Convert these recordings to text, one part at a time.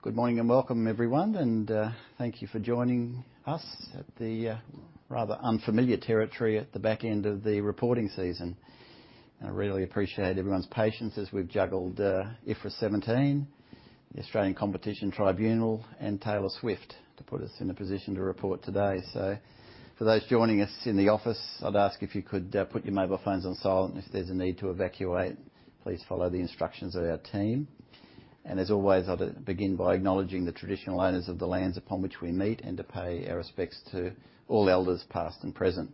Good morning, and welcome, everyone, and thank you for joining us at the rather unfamiliar territory at the back end of the reporting season. I really appreciate everyone's patience as we've juggled IFRS 17, the Australian Competition Tribunal, and Taylor Swift to put us in a position to report today. So for those joining us in the office, I'd ask if you could put your mobile phones on silent. If there's a need to evacuate, please follow the instructions of our team. And as always, I'll begin by acknowledging the traditional owners of the lands upon which we meet, and to pay our respects to all elders, past and present.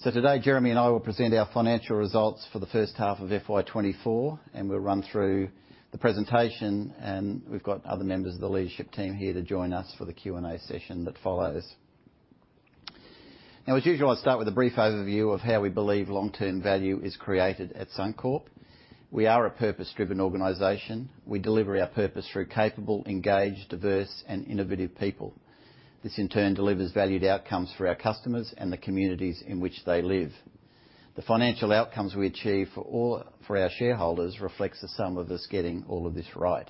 So today, Jeremy and I will present our financial results for the first half of FY 2024, and we'll run through the presentation, and we've got other members of the leadership team here to join us for the Q&A session that follows. Now, as usual, I'll start with a brief overview of how we believe long-term value is created at Suncorp. We are a purpose-driven organization. We deliver our purpose through capable, engaged, diverse and innovative people. This, in turn, delivers valued outcomes for our customers and the communities in which they live. The financial outcomes we achieve for all, for our shareholders reflects the sum of us getting all of this right.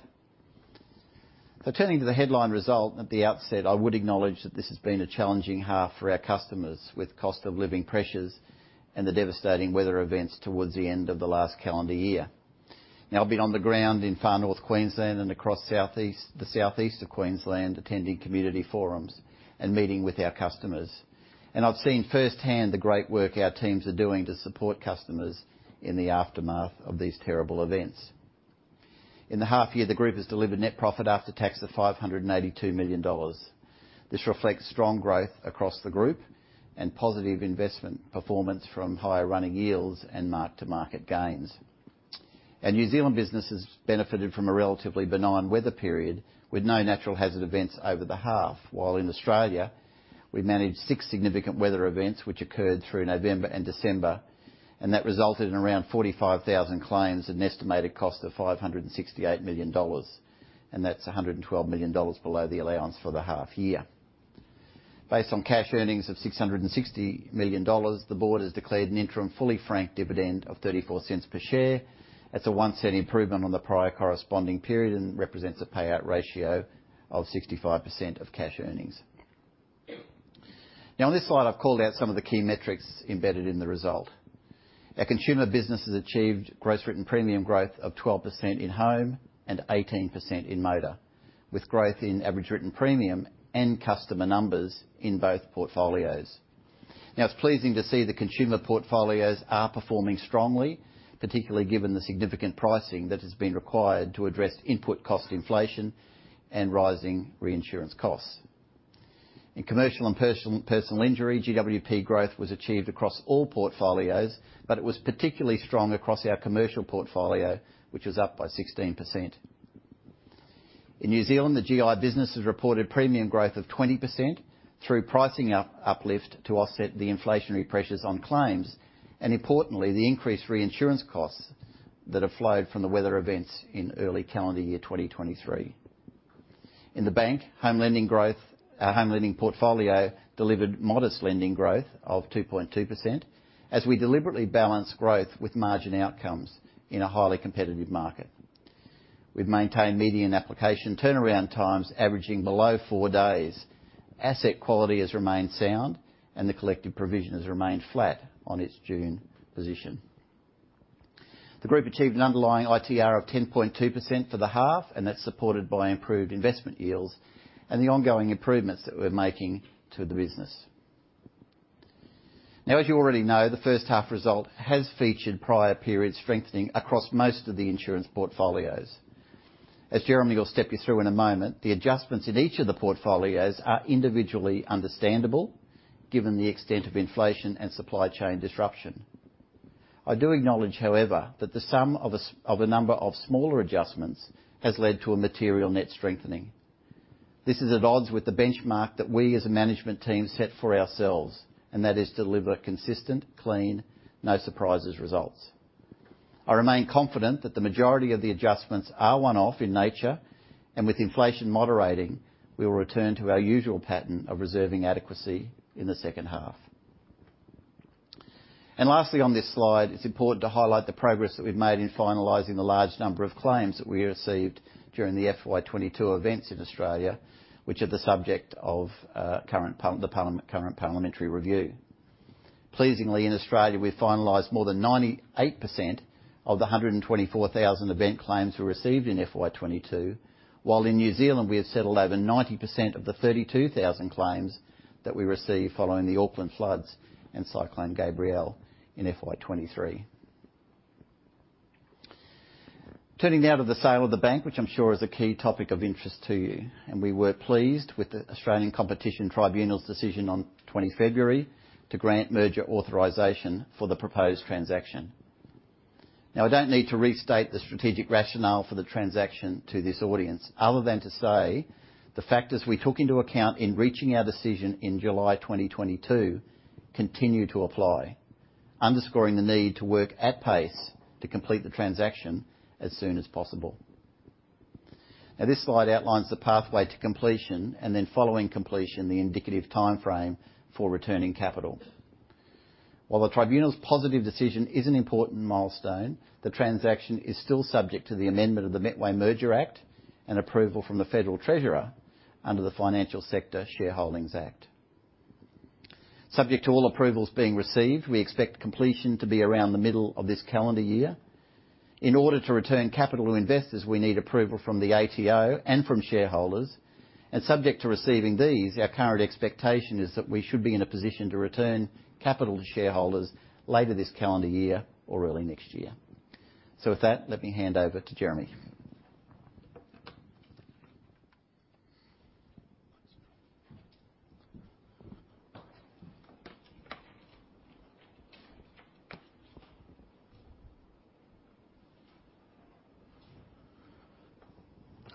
So turning to the headline result, at the outset, I would acknowledge that this has been a challenging half for our customers, with cost of living pressures and the devastating weather events towards the end of the last calendar year. Now, I've been on the ground in Far North Queensland and across Southeast, the Southeast of Queensland, attending community forums and meeting with our customers, and I've seen firsthand the great work our teams are doing to support customers in the aftermath of these terrible events. In the half year, the group has delivered net profit after tax of 582 million dollars. This reflects strong growth across the group and positive investment performance from higher running yields and mark-to-market gains. Our New Zealand business has benefited from a relatively benign weather period, with no natural hazard events over the half. While in Australia, we've managed six significant weather events, which occurred through November and December, and that resulted in around 45,000 claims, an estimated cost of 568 million dollars, and that's 112 million dollars below the allowance for the half year. Based on cash earnings of 660 million dollars, the board has declared an interim, fully franked dividend of 0.34 per share. That's a 1-cent improvement on the prior corresponding period and represents a payout ratio of 65% of cash earnings. Now, on this slide, I've called out some of the key metrics embedded in the result. Our consumer business has achieved gross written premium growth of 12% in home and 18% in motor, with growth in average written premium and customer numbers in both portfolios. Now, it's pleasing to see the consumer portfolios are performing strongly, particularly given the significant pricing that has been required to address input cost inflation and rising reinsurance costs. In commercial and personal, personal injury, GWP growth was achieved across all portfolios, but it was particularly strong across our commercial portfolio, which was up by 16%. In New Zealand, the GI business has reported premium growth of 20% through pricing uplift to offset the inflationary pressures on claims and, importantly, the increased reinsurance costs that have flowed from the weather events in early calendar year 2023. In the bank, home lending growth, our home lending portfolio delivered modest lending growth of 2.2%, as we deliberately balance growth with margin outcomes in a highly competitive market. We've maintained median application turnaround times, averaging below four days. Asset quality has remained sound, and the collective provision has remained flat on its June position. The group achieved an underlying ITR of 10.2% for the half, and that's supported by improved investment yields and the ongoing improvements that we're making to the business. Now, as you already know, the first half result has featured prior period strengthening across most of the insurance portfolios. As Jeremy will step you through in a moment, the adjustments in each of the portfolios are individually understandable, given the extent of inflation and supply chain disruption. I do acknowledge, however, that the sum of a number of smaller adjustments has led to a material net strengthening. This is at odds with the benchmark that we, as a management team, set for ourselves, and that is to deliver consistent, clean, no surprises results. I remain confident that the majority of the adjustments are one-off in nature, and with inflation moderating, we will return to our usual pattern of reserving adequacy in the second half. And lastly, on this slide, it's important to highlight the progress that we've made in finalizing the large number of claims that we received during the FY 2022 events in Australia, which are the subject of current parliamentary review. Pleasingly, in Australia, we've finalized more than 98% of the 124,000 event claims we received in FY 2022, while in New Zealand, we have settled over 90% of the 32,000 claims that we received following the Auckland floods and Cyclone Gabrielle in FY 2023. Turning now to the sale of the bank, which I'm sure is a key topic of interest to you, and we were pleased with the Australian Competition Tribunal's decision on February 20 to grant merger authorization for the proposed transaction. Now, I don't need to restate the strategic rationale for the transaction to this audience, other than to say the factors we took into account in reaching our decision in July 2022 continue to apply, underscoring the need to work at pace to complete the transaction as soon as possible. Now, this slide outlines the pathway to completion, and then following completion, the indicative timeframe for returning capital.... While the tribunal's positive decision is an important milestone, the transaction is still subject to the amendment of the Metway Merger Act and approval from the federal treasurer under the Financial Sector (Shareholdings) Act. Subject to all approvals being received, we expect completion to be around the middle of this calendar year. In order to return capital to investors, we need approval from the ATO and from shareholders, and subject to receiving these, our current expectation is that we should be in a position to return capital to shareholders later this calendar year or early next year. With that, let me hand over to Jeremy.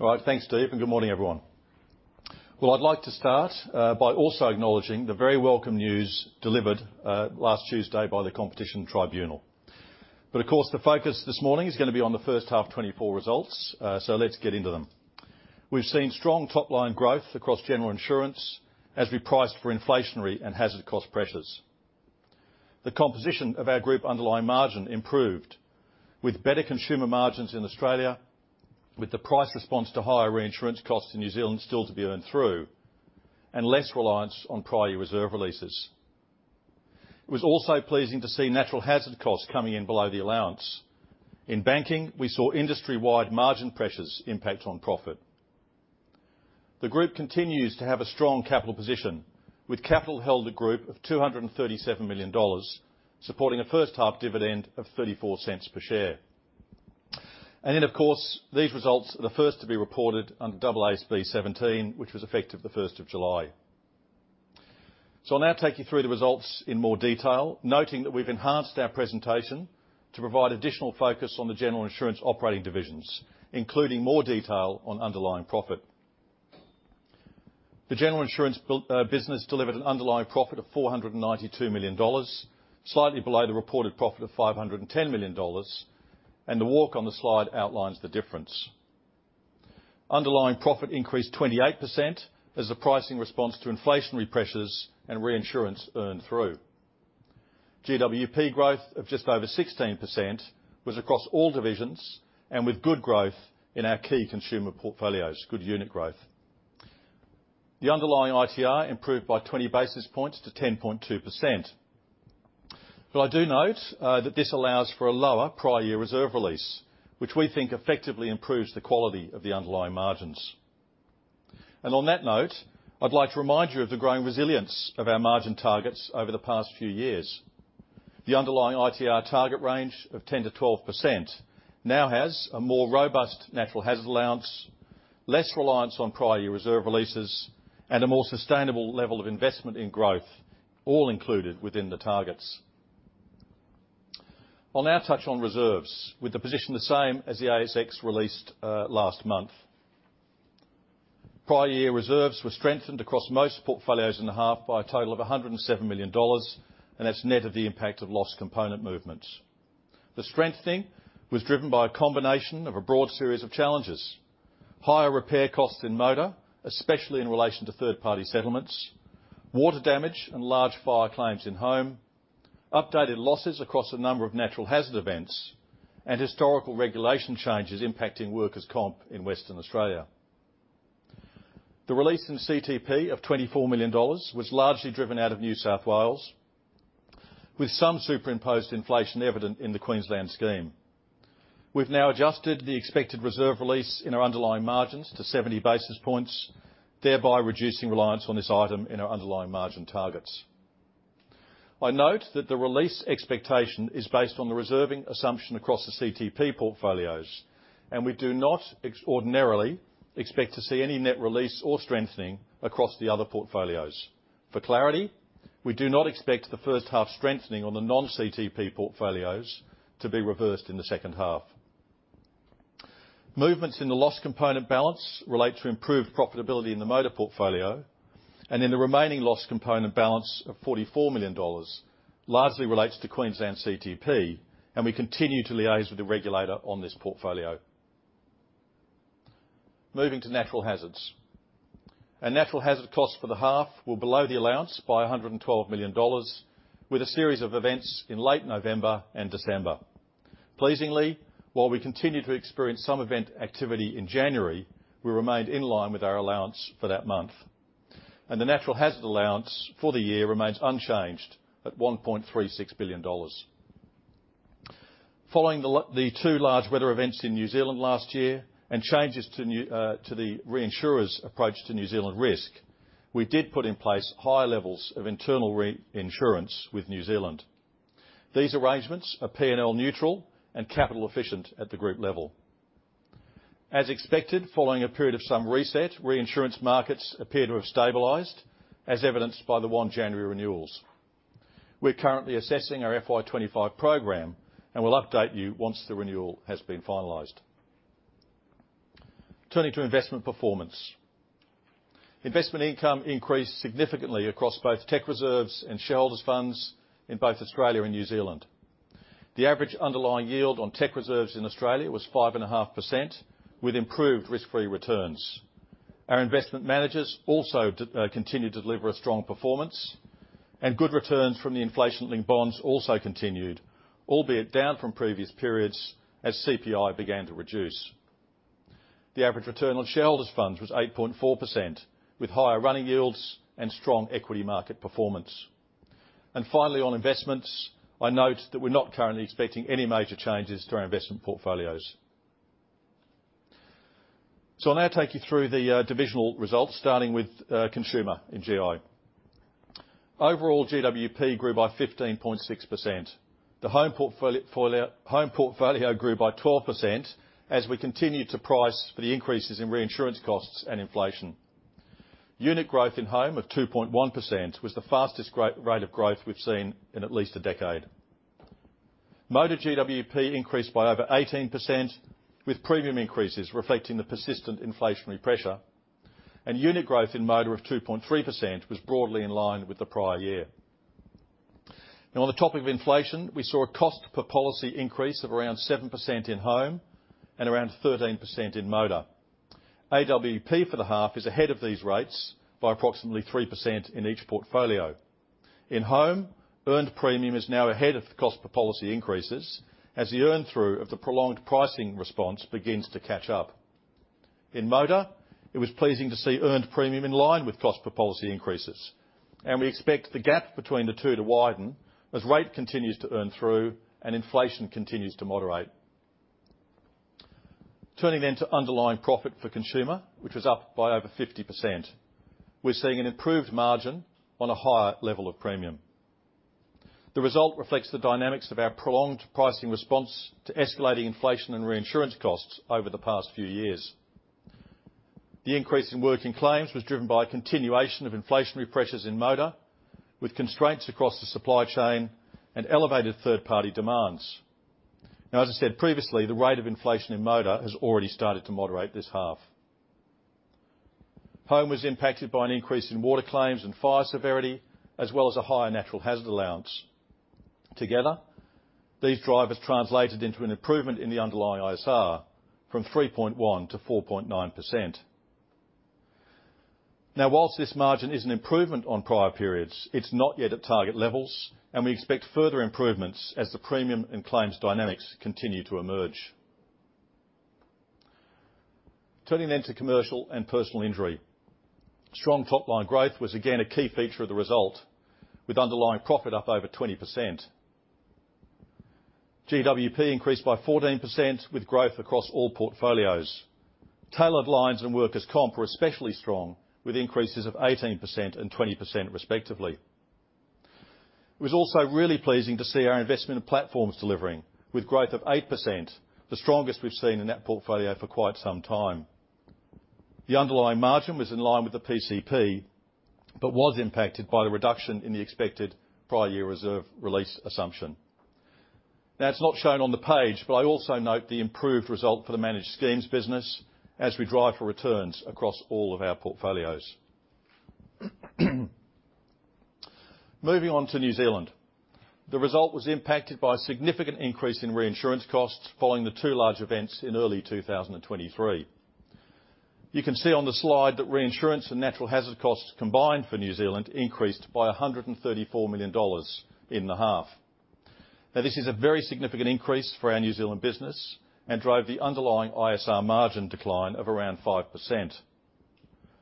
All right. Thanks, Steve, and good morning, everyone. Well, I'd like to start by also acknowledging the very welcome news delivered last Tuesday by the Australian Competition Tribunal. But of course, the focus this morning is gonna be on the first half 2024 results, so let's get into them. We've seen strong top-line growth across general insurance as we priced for inflationary and hazard cost pressures. The composition of our group underlying margin improved, with better consumer margins in Australia, with the price response to higher reinsurance costs in New Zealand still to be earned through, and less reliance on prior year reserve releases. It was also pleasing to see natural hazard costs coming in below the allowance. In banking, we saw industry-wide margin pressures impact on profit. The group continues to have a strong capital position, with capital held a group of 237 million dollars, supporting a first half dividend of 0.34 per share. Then, of course, these results are the first to be reported under AASB 17, which was effective the 1st of July. I'll now take you through the results in more detail, noting that we've enhanced our presentation to provide additional focus on the general insurance operating divisions, including more detail on underlying profit. The general insurance business delivered an underlying profit of 492 million dollars, slightly below the reported profit of 510 million dollars, and the walk on the slide outlines the difference. Underlying profit increased 28% as the pricing response to inflationary pressures and reinsurance earned through. GWP growth of just over 16% was across all divisions, and with good growth in our key consumer portfolios, good unit growth. The underlying ITR improved by 20 basis points to 10.2%. But I do note that this allows for a lower prior year reserve release, which we think effectively improves the quality of the underlying margins. And on that note, I'd like to remind you of the growing resilience of our margin targets over the past few years. The underlying ITR target range of 10%-12% now has a more robust natural hazard allowance, less reliance on prior year reserve releases, and a more sustainable level of investment in growth, all included within the targets. I'll now touch on reserves, with the position the same as the ASX released last month. Prior year reserves were strengthened across most portfolios in the half by a total of 107 million dollars, and that's net of the impact of loss component movements. The strengthening was driven by a combination of a broad series of challenges: higher repair costs in motor, especially in relation to third-party settlements, water damage and large fire claims in home, updated losses across a number of natural hazard events, and historical regulation changes impacting workers' comp in Western Australia. The release in CTP of 24 million dollars was largely driven out of New South Wales, with some superimposed inflation evident in the Queensland scheme. We've now adjusted the expected reserve release in our underlying margins to 70 basis points, thereby reducing reliance on this item in our underlying margin targets. I note that the release expectation is based on the reserving assumption across the CTP portfolios, and we do not extraordinarily expect to see any net release or strengthening across the other portfolios. For clarity, we do not expect the first half strengthening on the non-CTP portfolios to be reversed in the second half. Movements in the loss component balance relate to improved profitability in the motor portfolio, and in the remaining loss component balance of AUD 44 million, largely relates to Queensland CTP, and we continue to liaise with the regulator on this portfolio. Moving to natural hazards. Our natural hazard costs for the half were below the allowance by 112 million dollars, with a series of events in late November and December. Pleasingly, while we continued to experience some event activity in January, we remained in line with our allowance for that month, and the natural hazard allowance for the year remains unchanged at 1.36 billion dollars. Following the the two large weather events in New Zealand last year and changes to new to the reinsurer's approach to New Zealand risk, we did put in place high levels of internal reinsurance with New Zealand. These arrangements are P&L neutral and capital efficient at the group level. As expected, following a period of some reset, reinsurance markets appear to have stabilized, as evidenced by the 1 January renewals. We're currently assessing our FY 2025 program, and we'll update you once the renewal has been finalized. Turning to investment performance. Investment income increased significantly across both technical reserves and shareholders' funds in both Australia and New Zealand.... The average underlying yield on tech reserves in Australia was 5.5%, with improved risk-free returns. Our investment managers also continued to deliver a strong performance, and good returns from the inflation-linked bonds also continued, albeit down from previous periods as CPI began to reduce. The average return on shareholders' funds was 8.4%, with higher running yields and strong equity market performance. Finally, on investments, I note that we're not currently expecting any major changes to our investment portfolios. So I'll now take you through the divisional results, starting with consumer in GI. Overall, GWP grew by 15.6%. The home portfolio grew by 12% as we continued to price for the increases in reinsurance costs and inflation. Unit growth in home of 2.1% was the fastest rate of growth we've seen in at least a decade. Motor GWP increased by over 18%, with premium increases reflecting the persistent inflationary pressure, and unit growth in motor of 2.3% was broadly in line with the prior year. Now, on the topic of inflation, we saw a cost per policy increase of around 7% in home and around 13% in motor. AWP for the half is ahead of these rates by approximately 3% in each portfolio. In home, earned premium is now ahead of the cost per policy increases, as the earn through of the prolonged pricing response begins to catch up. In motor, it was pleasing to see earned premium in line with cost per policy increases, and we expect the gap between the two to widen as rate continues to earn through and inflation continues to moderate. Turning then to underlying profit for consumer, which was up by over 50%. We're seeing an improved margin on a higher level of premium. The result reflects the dynamics of our prolonged pricing response to escalating inflation and reinsurance costs over the past few years. The increase in working claims was driven by a continuation of inflationary pressures in motor, with constraints across the supply chain and elevated third-party demands. Now, as I said previously, the rate of inflation in motor has already started to moderate this half. Home was impacted by an increase in water claims and fire severity, as well as a higher natural hazard allowance. Together, these drivers translated into an improvement in the underlying ITR from 3.1%-4.9%. Now, while this margin is an improvement on prior periods, it's not yet at target levels, and we expect further improvements as the premium and claims dynamics continue to emerge. Turning then to commercial and personal injury. Strong top-line growth was again a key feature of the result, with underlying profit up over 20%. GWP increased by 14%, with growth across all portfolios. Tailored lines and workers' comp were especially strong, with increases of 18% and 20% respectively. It was also really pleasing to see our investment in platforms delivering, with growth of 8%, the strongest we've seen in that portfolio for quite some time. The underlying margin was in line with the PCP, but was impacted by the reduction in the expected prior year reserve release assumption. Now, it's not shown on the page, but I also note the improved result for the managed schemes business as we drive for returns across all of our portfolios. Moving on to New Zealand, the result was impacted by a significant increase in reinsurance costs following the two large events in early 2023. You can see on the slide that reinsurance and natural hazard costs combined for New Zealand increased by 134 million dollars in the half. Now, this is a very significant increase for our New Zealand business and drove the underlying ISR margin decline of around 5%.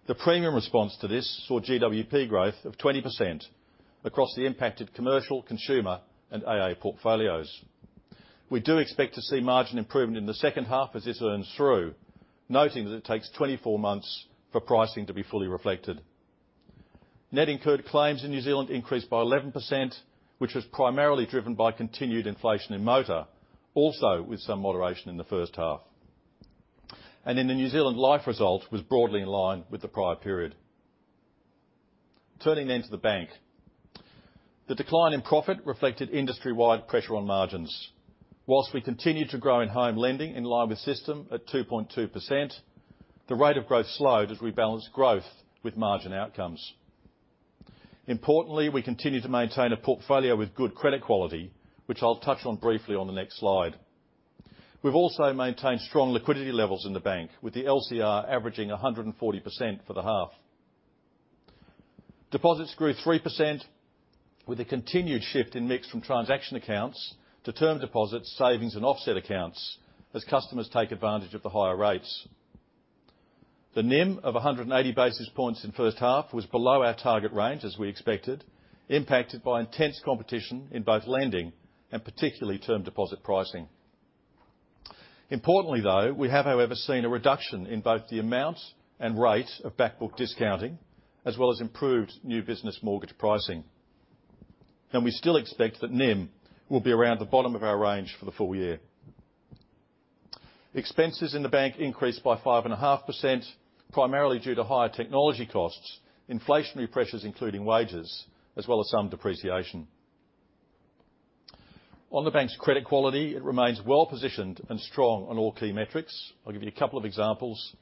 The premium response to this saw GWP growth of 20% across the impacted commercial, consumer, and AA portfolios. We do expect to see margin improvement in the second half as this earns through, noting that it takes 24 months for pricing to be fully reflected. Net incurred claims in New Zealand increased by 11%, which was primarily driven by continued inflation in motor, also with some moderation in the first half. Then the New Zealand life result was broadly in line with the prior period. Turning then to the bank. The decline in profit reflected industry-wide pressure on margins. While we continued to grow in home lending in line with system at 2.2%, the rate of growth slowed as we balanced growth with margin outcomes. Importantly, we continued to maintain a portfolio with good credit quality, which I'll touch on briefly on the next slide. We've also maintained strong liquidity levels in the bank, with the LCR averaging 140% for the half. Deposits grew 3%, with a continued shift in mix from transaction accounts to term deposits, savings, and offset accounts as customers take advantage of the higher rates. The NIM of 180 basis points in first half was below our target range, as we expected, impacted by intense competition in both lending and particularly term deposit pricing. Importantly, though, we have, however, seen a reduction in both the amount and rate of back book discounting, as well as improved new business mortgage pricing. And we still expect that NIM will be around the bottom of our range for the full year. Expenses in the bank increased by 5.5%, primarily due to higher technology costs, inflationary pressures, including wages, as well as some depreciation. On the bank's credit quality, it remains well-positioned and strong on all key metrics. I'll give you a couple of examples.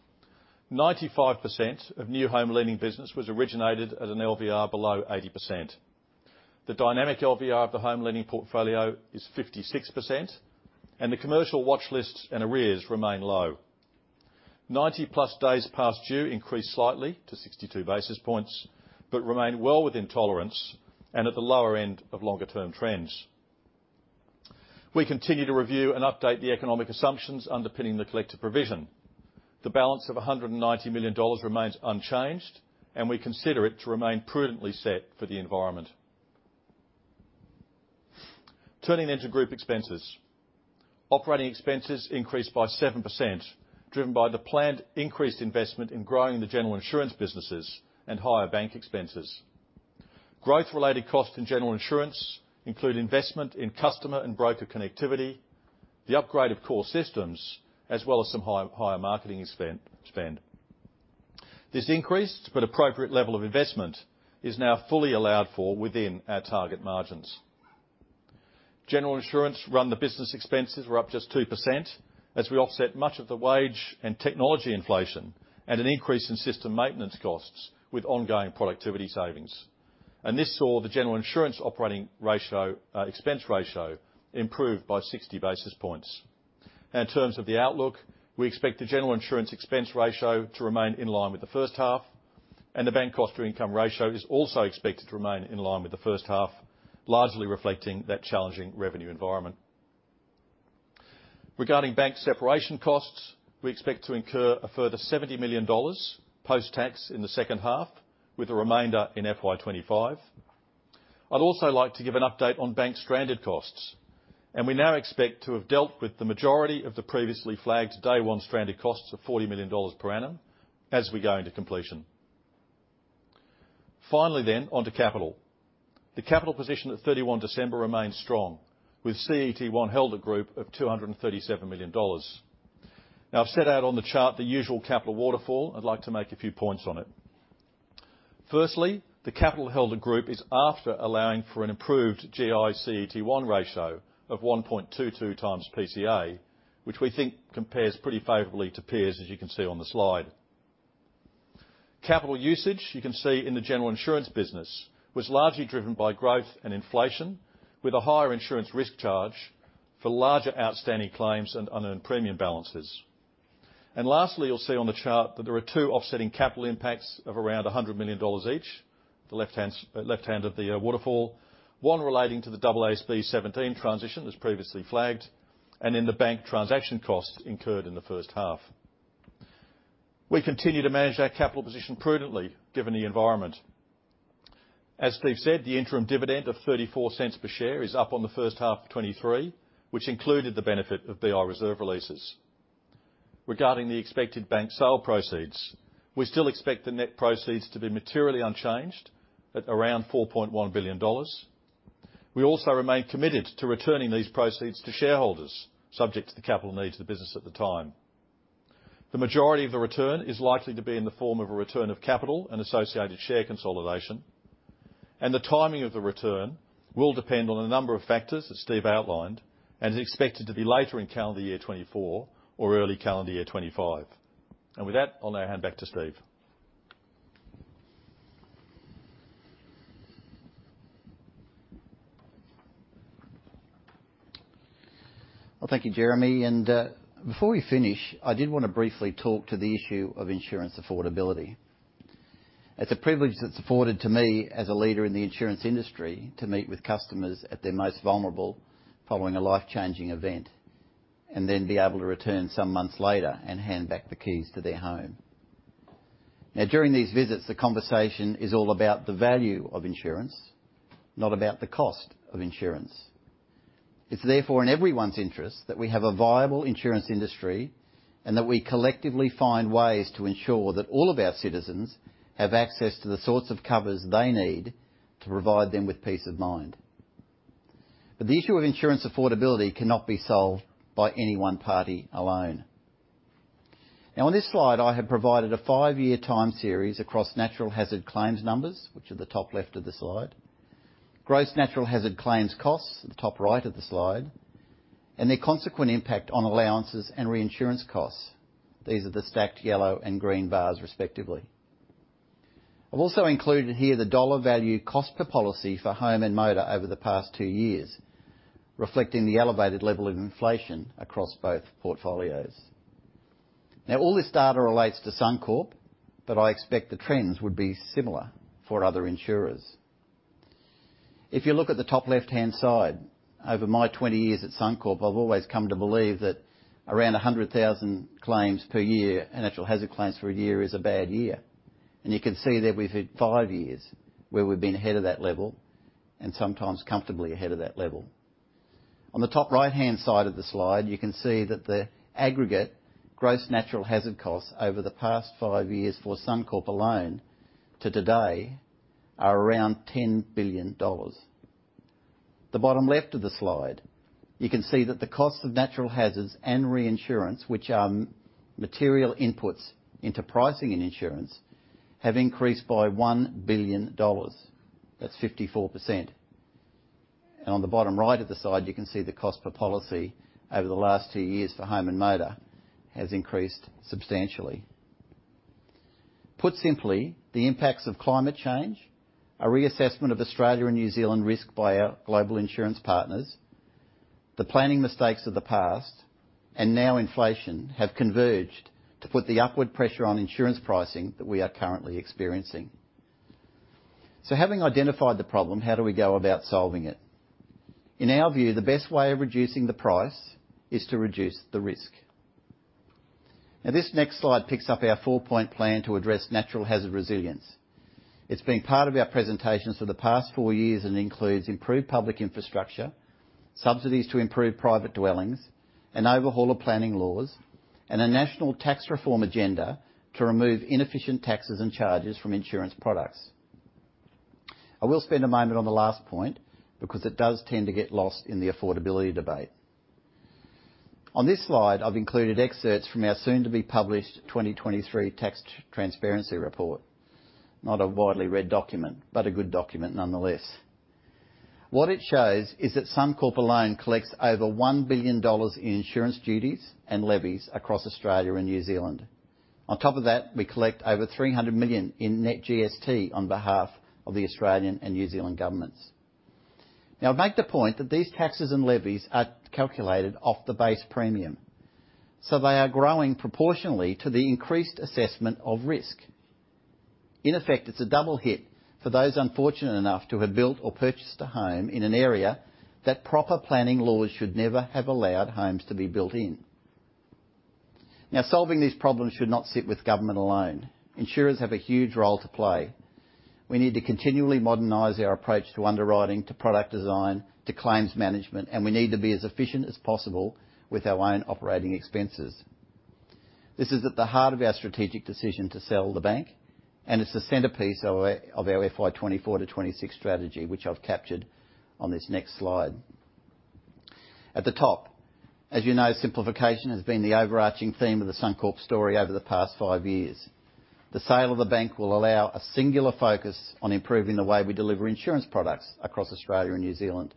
95% of new home lending business was originated at an LVR below 80%. The dynamic LVR of the home lending portfolio is 56%, and the commercial watch lists and arrears remain low. 90+ days past due increased slightly to 62 basis points but remain well within tolerance and at the lower end of longer-term trends. We continue to review and update the economic assumptions underpinning the collective provision. The balance of 190 million dollars remains unchanged, and we consider it to remain prudently set for the environment. Turning to group expenses. Operating expenses increased by 7%, driven by the planned increased investment in growing the General Insurance businesses and higher bank expenses. Growth-related costs in General Insurance include investment in customer and broker connectivity, the upgrade of core systems, as well as some higher marketing spend. This increased, but appropriate level of investment, is now fully allowed for within our target margins. General Insurance run-the-business expenses were up just 2%, as we offset much of the wage and technology inflation and an increase in system maintenance costs with ongoing productivity savings. This saw the General Insurance operating ratio, expense ratio improve by 60 basis points. Now, in terms of the outlook, we expect the general insurance expense ratio to remain in line with the first half, and the bank cost to income ratio is also expected to remain in line with the first half, largely reflecting that challenging revenue environment. Regarding bank separation costs, we expect to incur a further 70 million dollars post-tax in the second half, with a remainder in FY 2025. I'd also like to give an update on bank stranded costs, and we now expect to have dealt with the majority of the previously flagged day one stranded costs of 40 million dollars per annum as we go into completion. Finally, then, onto capital. The capital position at December 31 remains strong, with CET1 held a group of 237 million dollars. Now, I've set out on the chart the usual capital waterfall. I'd like to make a few points on it. Firstly, the capital held at group is after allowing for an improved group CET1 ratio of 1.22 times PCA, which we think compares pretty favorably to peers, as you can see on the slide. Capital usage, you can see in the general insurance business, was largely driven by growth and inflation, with a higher insurance risk charge for larger outstanding claims and unearned premium balances. And lastly, you'll see on the chart that there are two offsetting capital impacts of around 100 million dollars each, the left-hand of the waterfall. One relating to the AASB 17 transition, as previously flagged, and in the bank transaction costs incurred in the first half. We continue to manage our capital position prudently, given the environment. As Steve said, the interim dividend of 0.34 per share is up on the first half of 2023, which included the benefit of BI reserve releases. Regarding the expected bank sale proceeds, we still expect the net proceeds to be materially unchanged at around 4.1 billion dollars. We also remain committed to returning these proceeds to shareholders, subject to the capital needs of the business at the time. The majority of the return is likely to be in the form of a return of capital and associated share consolidation, and the timing of the return will depend on a number of factors, as Steve outlined, and is expected to be later in calendar year 2024 or early calendar year 2025. With that, I'll now hand back to Steve. Well, thank you, Jeremy, and before we finish, I did want to briefly talk to the issue of insurance affordability. It's a privilege that's afforded to me, as a leader in the insurance industry, to meet with customers at their most vulnerable following a life-changing event, and then be able to return some months later and hand back the keys to their home. Now, during these visits, the conversation is all about the value of insurance, not about the cost of insurance. It's therefore in everyone's interest that we have a viable insurance industry, and that we collectively find ways to ensure that all of our citizens have access to the sorts of covers they need to provide them with peace of mind. But the issue of insurance affordability cannot be solved by any one party alone. Now, on this slide, I have provided a five-year time series across natural hazard claims numbers, which are the top left of the slide, gross natural hazard claims costs at the top right of the slide, and their consequent impact on allowances and reinsurance costs. These are the stacked yellow and green bars, respectively. I've also included here the dollar value cost per policy for home and motor over the past two years, reflecting the elevated level of inflation across both portfolios. Now, all this data relates to Suncorp, but I expect the trends would be similar for other insurers. If you look at the top left-hand side, over my 20 years at Suncorp, I've always come to believe that around 100,000 claims per year, and natural hazard claims for a year is a bad year. You can see that we've hit five years where we've been ahead of that level, and sometimes comfortably ahead of that level. On the top right-hand side of the slide, you can see that the aggregate gross natural hazard costs over the past five years for Suncorp alone to today are around 10 billion dollars. The bottom left of the slide, you can see that the cost of natural hazards and reinsurance, which are material inputs into pricing and insurance, have increased by 1 billion dollars. That's 54%.... On the bottom right of the slide, you can see the cost per policy over the last two years for home and motor has increased substantially. Put simply, the impacts of climate change, a reassessment of Australia and New Zealand risk by our global insurance partners, the planning mistakes of the past, and now inflation, have converged to put the upward pressure on insurance pricing that we are currently experiencing. So having identified the problem, how do we go about solving it? In our view, the best way of reducing the price is to reduce the risk. Now, this next slide picks up our four-point plan to address natural hazard resilience. It's been part of our presentations for the past four years, and includes improved public infrastructure, subsidies to improve private dwellings, an overhaul of planning laws, and a national tax reform agenda to remove inefficient taxes and charges from insurance products. I will spend a moment on the last point, because it does tend to get lost in the affordability debate. On this slide, I've included excerpts from our soon-to-be-published 2023 Tax Transparency Report. Not a widely read document, but a good document nonetheless. What it shows is that Suncorp alone collects over 1 billion dollars in insurance duties and levies across Australia and New Zealand. On top of that, we collect over 300 million in net GST on behalf of the Australian and New Zealand governments. Now, I make the point that these taxes and levies are calculated off the base premium, so they are growing proportionally to the increased assessment of risk. In effect, it's a double hit for those unfortunate enough to have built or purchased a home in an area that proper planning laws should never have allowed homes to be built in. Now, solving these problems should not sit with government alone. Insurers have a huge role to play. We need to continually modernize our approach to underwriting, to product design, to claims management, and we need to be as efficient as possible with our own operating expenses. This is at the heart of our strategic decision to sell the bank, and it's the centerpiece of our FY 2024-2026 strategy, which I've captured on this next slide. At the top, as you know, simplification has been the overarching theme of the Suncorp story over the past five years. The sale of the bank will allow a singular focus on improving the way we deliver insurance products across Australia and New Zealand.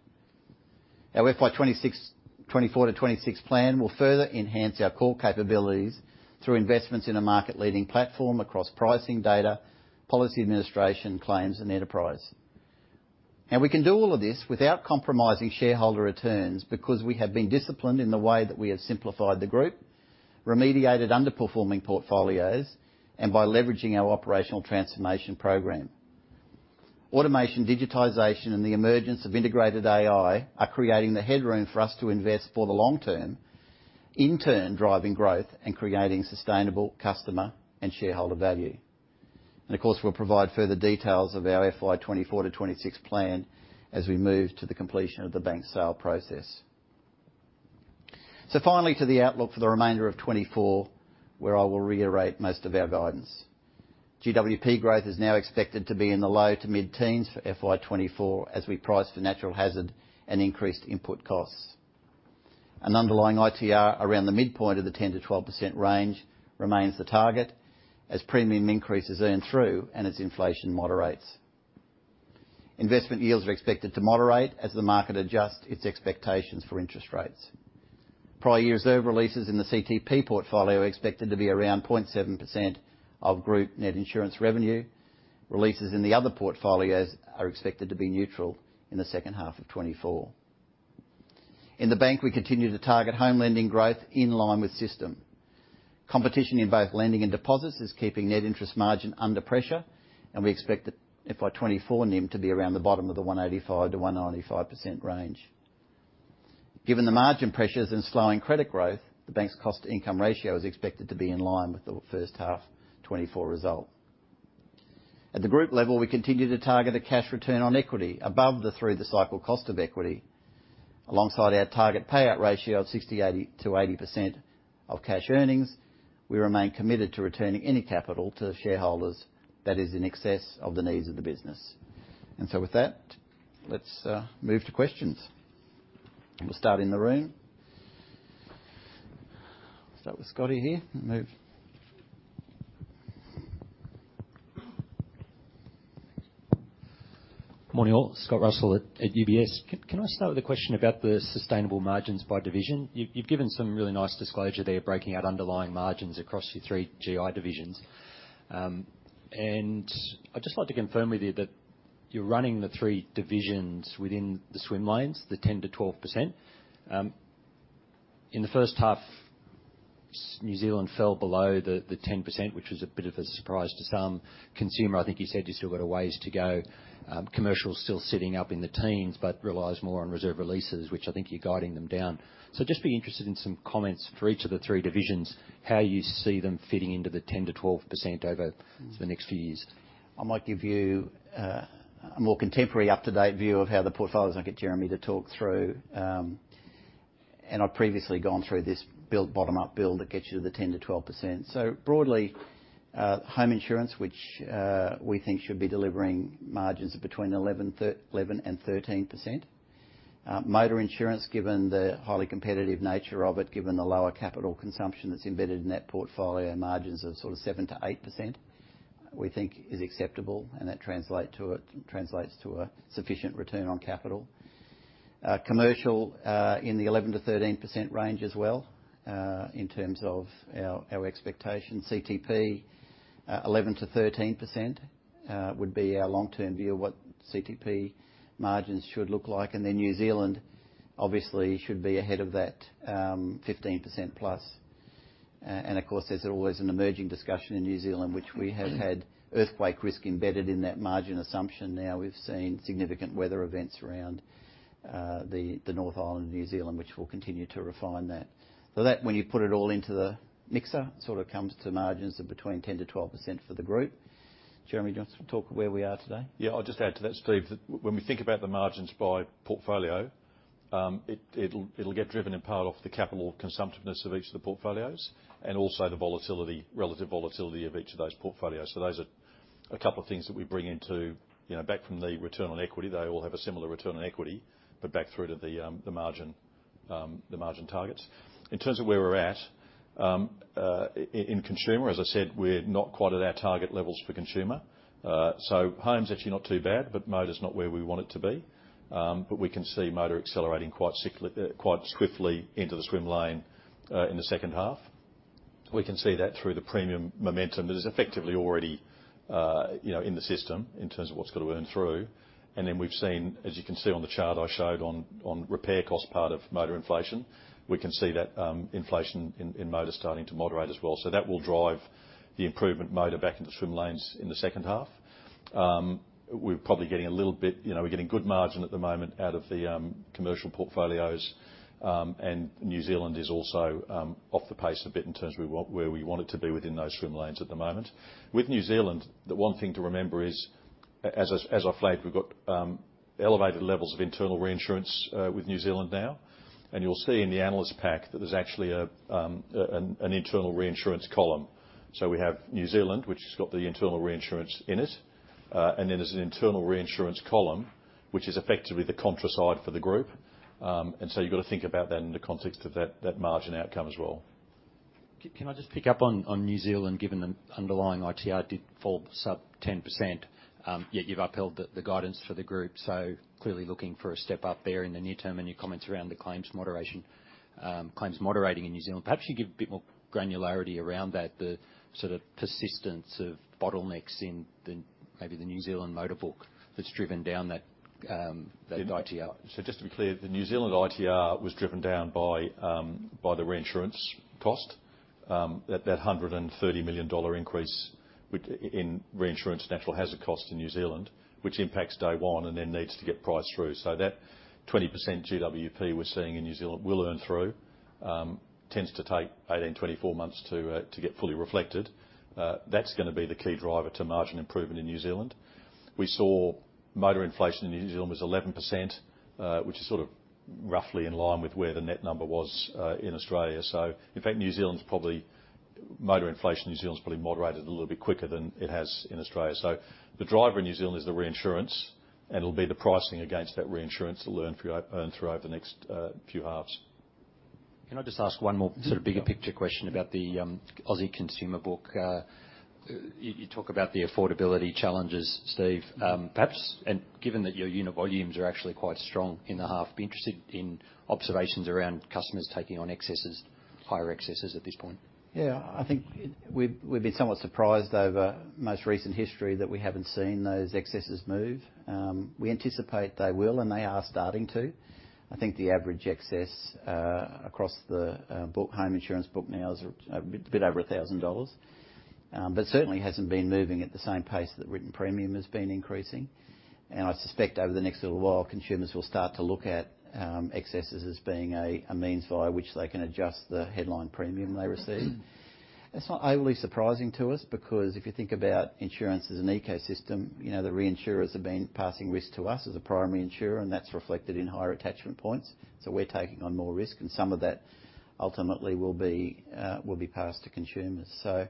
Our FY 2024-2026 plan will further enhance our core capabilities through investments in a market-leading platform across pricing, data, policy administration, claims, and enterprise. We can do all of this without compromising shareholder returns, because we have been disciplined in the way that we have simplified the group, remediated underperforming portfolios, and by leveraging our operational transformation program. Automation, digitization, and the emergence of integrated AI are creating the headroom for us to invest for the long term, in turn, driving growth and creating sustainable customer and shareholder value. Of course, we'll provide further details of our FY 2024-2026 plan as we move to the completion of the bank sale process. Finally, to the outlook for the remainder of 2024, where I will reiterate most of our guidance. GWP growth is now expected to be in the low to mid-teens for FY 2024, as we price for natural hazard and increased input costs. An underlying ITR around the midpoint of the 10%-12% range remains the target, as premium increases earn through and as inflation moderates. Investment yields are expected to moderate as the market adjusts its expectations for interest rates. Prior year reserve releases in the CTP portfolio are expected to be around 0.7% of group net insurance revenue. Releases in the other portfolios are expected to be neutral in the second half of 2024. In the bank, we continue to target home lending growth in line with system. Competition in both lending and deposits is keeping net interest margin under pressure, and we expect the FY 2024 NIM to be around the bottom of the 1.85%-1.95% range. Given the margin pressures and slowing credit growth, the bank's cost-to-income ratio is expected to be in line with the first half 2024 result. At the group level, we continue to target a cash return on equity above the through-the-cycle cost of equity. Alongside our target payout ratio of 60%-80% of cash earnings, we remain committed to returning any capital to shareholders that is in excess of the needs of the business. And so with that, let's move to questions. We'll start in the room. Start with Scotty here and move... Morning, all. Scott Russell at UBS. Can I start with a question about the sustainable margins by division? You've given some really nice disclosure there, breaking out underlying margins across your three GI divisions. And I'd just like to confirm with you that you're running the three divisions within the swim lanes, the 10%-12%. In the first half, New Zealand fell below the 10%, which was a bit of a surprise to some. Consumer, I think you said, you've still got a ways to go. Commercial's still sitting up in the teens, but relies more on reserve releases, which I think you're guiding them down. So just be interested in some comments for each of the three divisions, how you see them fitting into the 10%-12% over the next few years? I might give you a more contemporary, up-to-date view of how the portfolios, and I'll get Jeremy to talk through. And I've previously gone through this build, bottom-up build that gets you to the 10%-12%. So broadly, home insurance, which we think should be delivering margins of between 11% and 13%. Motor insurance, given the highly competitive nature of it, given the lower capital consumption that's embedded in that portfolio, margins are sort of 7%-8% we think is acceptable, and that translate to it, translates to a sufficient return on capital. Commercial, in the 11%-13% range as well, in terms of our, our expectations. CTP, 11%-13%, would be our long-term view of what CTP margins should look like. And then New Zealand, obviously, should be ahead of that, 15%+. And of course, there's always an emerging discussion in New Zealand, which we have had earthquake risk embedded in that margin assumption. Now, we've seen significant weather events around, the North Island of New Zealand, which we'll continue to refine that. So that, when you put it all into the mixer, sort of comes to margins of between 10%-12% for the group. Jeremy, do you want to talk where we are today? Yeah, I'll just add to that, Steve, that when we think about the margins by portfolio, it'll get driven in part off the capital consumptiveness of each of the portfolios, and also the volatility, relative volatility of each of those portfolios. So those are a couple of things that we bring into, you know, back from the return on equity. They all have a similar return on equity, but back through to the margin, the margin targets. In terms of where we're at, in consumer, as I said, we're not quite at our target levels for consumer. So home's actually not too bad, but motor's not where we want it to be. But we can see motor accelerating quite swiftly into the swim lane in the second half. We can see that through the premium momentum that is effectively already, you know, in the system in terms of what's got to earn through. And then we've seen, as you can see on the chart I showed on repair cost part of motor inflation, we can see that, inflation in motor starting to moderate as well. So that will drive the improvement motor back into swim lanes in the second half. We're probably getting a little bit... You know, we're getting good margin at the moment out of the commercial portfolios. And New Zealand is also off the pace a bit in terms of where we want it to be within those swim lanes at the moment. With New Zealand, the one thing to remember is, as I flagged, we've got elevated levels of internal reinsurance with New Zealand now. And you'll see in the analyst pack that there's actually an internal reinsurance column. So we have New Zealand, which has got the internal reinsurance in it, and then there's an internal reinsurance column, which is effectively the contra side for the group. And so you've got to think about that in the context of that margin outcome as well. Can I just pick up on, on New Zealand, given the underlying ITR did fall sub 10%, yet you've upheld the, the guidance for the group, so clearly looking for a step up there in the near term, and your comments around the claims moderation, claims moderating in New Zealand. Perhaps you'd give a bit more granularity around that, the sort of persistence of bottlenecks in the, maybe the New Zealand motor book that's driven down that, that ITR. So just to be clear, the New Zealand ITR was driven down by, by the reinsurance cost, that, that 130 million dollar increase in reinsurance natural hazard costs in New Zealand, which impacts day one and then needs to get priced through. So that 20% GWP we're seeing in New Zealand will earn through. Tends to take 18-24 months to, to get fully reflected. That's going to be the key driver to margin improvement in New Zealand. We saw motor inflation in New Zealand was 11%, which is sort of roughly in line with where the net number was, in Australia. So in fact, New Zealand's probably motor inflation in New Zealand's probably moderated a little bit quicker than it has in Australia. So the driver in New Zealand is the reinsurance, and it'll be the pricing against that reinsurance to earn through over the next few halves. Can I just ask one more sort of bigger picture question? Yeah. - about the Aussie consumer book? You talk about the affordability challenges, Steve. Perhaps, and given that your unit volumes are actually quite strong in the half, I'd be interested in observations around customers taking on excesses, higher excesses at this point. Yeah, I think we've been somewhat surprised over most recent history that we haven't seen those excesses move. We anticipate they will, and they are starting to. I think the average excess across the book, home insurance book now is a bit over 1,000 dollars, but certainly hasn't been moving at the same pace that written premium has been increasing. And I suspect over the next little while, consumers will start to look at excesses as being a means by which they can adjust the headline premium they receive. It's not overly surprising to us, because if you think about insurance as an ecosystem, you know, the reinsurers have been passing risk to us as a primary insurer, and that's reflected in higher attachment points. So we're taking on more risk, and some of that ultimately will be, will be passed to consumers. So,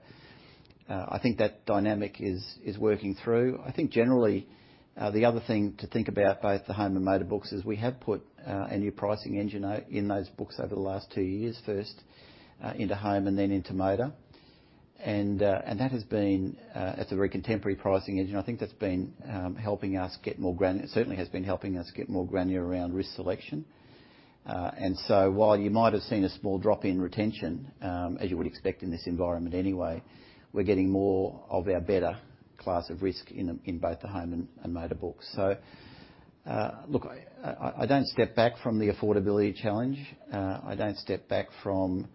I think that dynamic is, is working through. I think generally, the other thing to think about, both the home and motor books, is we have put, a new pricing engine out in those books over the last two years. First, into home and then into motor. And, and that has been... It's a very contemporary pricing engine. I think that's been, helping us get more gran- certainly has been helping us get more granular around risk selection. And so while you might have seen a small drop in retention, as you would expect in this environment anyway, we're getting more of our better class of risk in, in both the home and, and motor books. So, look, I don't step back from the affordability challenge. I don't step back from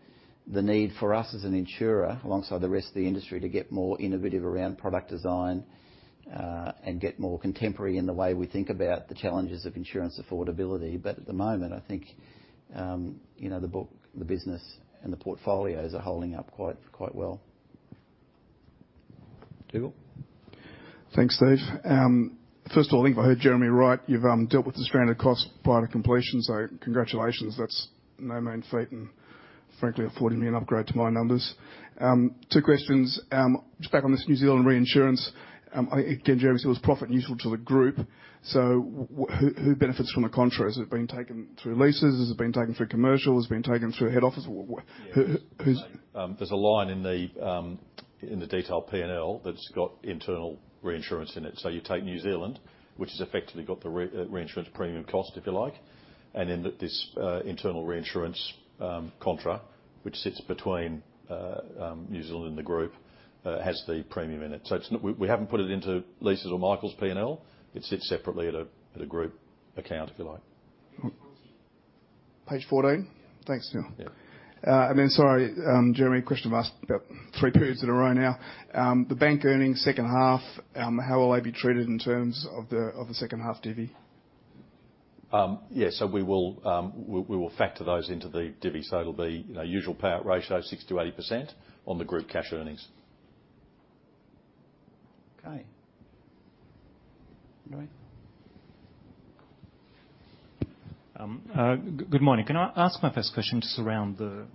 the need for us as an insurer, alongside the rest of the industry, to get more innovative around product design, and get more contemporary in the way we think about the challenges of insurance affordability. But at the moment, I think, you know, the book, the business, and the portfolios are holding up quite, quite well. Dougal? Thanks, Steve. First of all, I think if I heard Jeremy right, you've dealt with the stranded cost prior to completion, so congratulations. That's no mean feat, and frankly, affording me an upgrade to my numbers. Two questions. Justo back on this New Zealand reinsurance.... Again, Jeremy, so it's profit useful to the group. So who, who benefits from the contract? Is it being taken through leases? Is it being taken through commercial? Is it being taken through a head office? Who, who's- There's a line in the detailed P&L that's got internal reinsurance in it. So you take New Zealand, which has effectively got the reinsurance premium cost, if you like, and then this internal reinsurance contract, which sits between New Zealand and the group, has the premium in it. So it's not—we, we haven't put it into Lisa's or Michael's P&L. It sits separately at a group account, if you like. Page 14? Thanks, Neil. Yeah. And then, sorry, Jeremy, a question I've asked about three periods in a row now. The bank earnings second half, how will they be treated in terms of the, of the second half divvy? Yes, so we will factor those into the divvy, so it'll be, you know, usual payout ratio of 60%-80% on the group Cash Earnings. Okay. All right. Good morning. Can I ask my first question just around the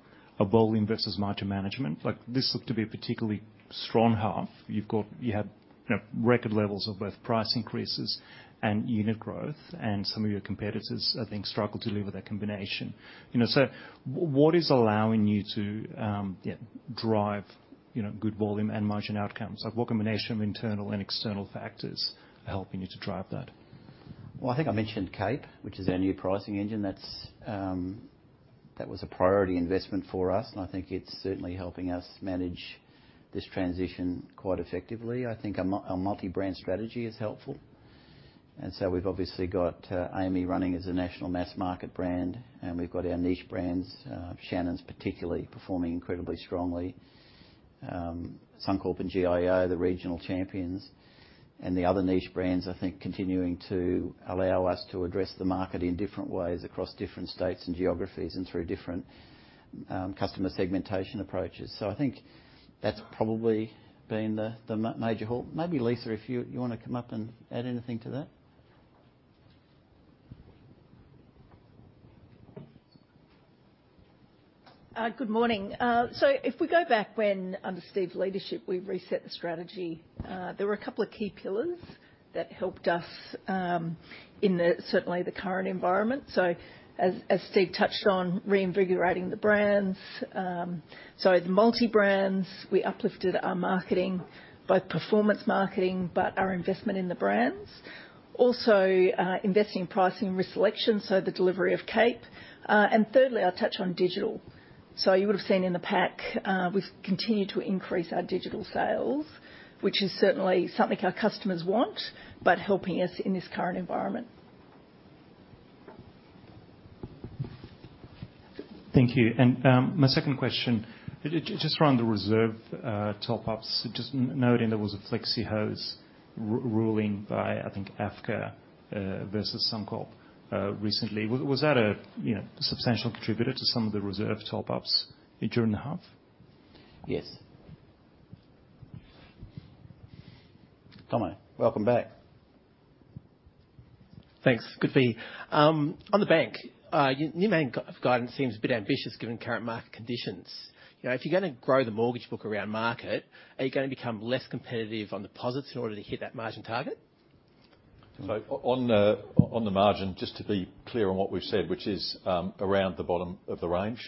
volume versus margin management? Like, this looked to be a particularly strong half. You've got you had, you know, record levels of both price increases and unit growth, and some of your competitors, I think, struggled to deliver that combination. You know, so what is allowing you to, yeah, drive, you know, good volume and margin outcomes? Like, what combination of internal and external factors are helping you to drive that? Well, I think I mentioned CAPE, which is our new pricing engine. That's. That was a priority investment for us, and I think it's certainly helping us manage this transition quite effectively. I think our multi-brand strategy is helpful, and so we've obviously got AAMI running as a national mass market brand, and we've got our niche brands, Shannons, particularly, performing incredibly strongly. Suncorp and GIO, the regional champions, and the other niche brands, I think, continuing to allow us to address the market in different ways across different states and geographies, and through different customer segmentation approaches. So I think that's probably been the major halt. Maybe, Lisa, if you want to come up and add anything to that? Good morning. So if we go back when, under Steve's leadership, we reset the strategy, there were a couple of key pillars that helped us in the certainly the current environment. So as Steve touched on reinvigorating the brands, so the multi-brands, we uplifted our marketing, both performance marketing, but our investment in the brands. Also, investing in pricing and risk selection, so the delivery of CAPE. And thirdly, I'll touch on digital. So you would've seen in the pack, we've continued to increase our digital sales, which is certainly something our customers want, but helping us in this current environment. Thank you. My second question, just around the reserve top ups, just noting there was a Flexi Hose ruling by, I think, AFCA versus Suncorp recently. Was that a, you know, substantial contributor to some of the reserve top ups during the half? Yes. Tomo, welcome back. Thanks. Good to be here. On the bank, your main guidance seems a bit ambitious, given current market conditions. You know, if you're going to grow the mortgage book around market, are you going to become less competitive on deposits in order to hit that margin target? So on the margin, just to be clear on what we've said, which is around the bottom of the range.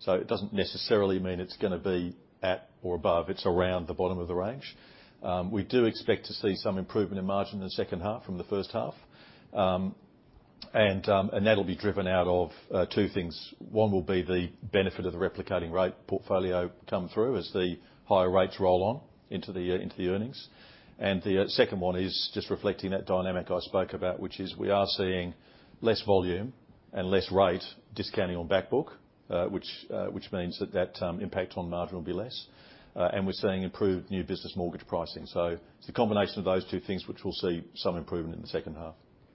So it doesn't necessarily mean it's gonna be at or above, it's around the bottom of the range. We do expect to see some improvement in margin in the second half from the first half. And that'll be driven out of two things. One will be the benefit of the replicating rate portfolio come through as the higher rates roll on into the earnings. And the second one is just reflecting that dynamic I spoke about, which is we are seeing less volume and less rate discounting on back book, which means that that impact on margin will be less. And we're seeing improved new business mortgage pricing. So it's a combination of those two things, which we'll see some improvement in the second half.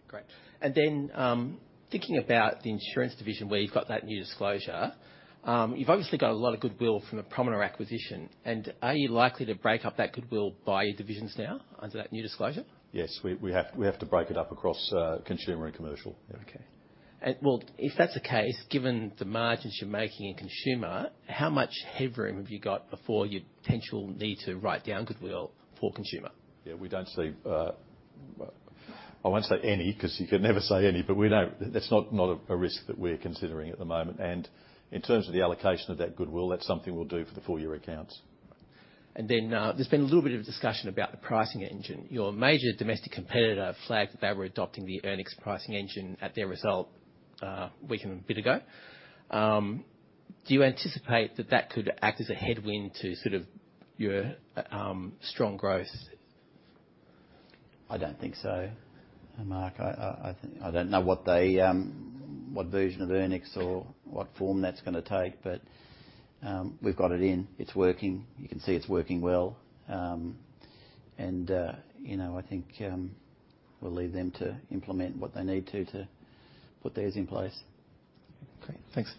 Great. And then, thinking about the insurance division, where you've got that new disclosure, you've obviously got a lot of goodwill from the Promina acquisition, and are you likely to break up that goodwill by your divisions now under that new disclosure? Yes. We have to break it up across consumer and commercial. Yeah. Okay. Well, if that's the case, given the margins you're making in consumer, how much headroom have you got before you potentially need to write down goodwill for consumer? Yeah, we don't see. I won't say any, 'cause you can never say any, but we don't – that's not a risk that we're considering at the moment. In terms of the allocation of that goodwill, that's something we'll do for the full-year accounts. And then, there's been a little bit of discussion about the pricing engine. Your major domestic competitor flagged that they were adopting the Earnix pricing engine at their result, a week and a bit ago. Do you anticipate that that could act as a headwind to sort of your strong growth? I don't think so, Mark. I think... I don't know what they, what version of Earnix or what form that's gonna take, but, we've got it in. It's working. You can see it's working well. And, you know, I think, we'll leave them to implement what they need to, to put theirs in place. Okay. Thanks.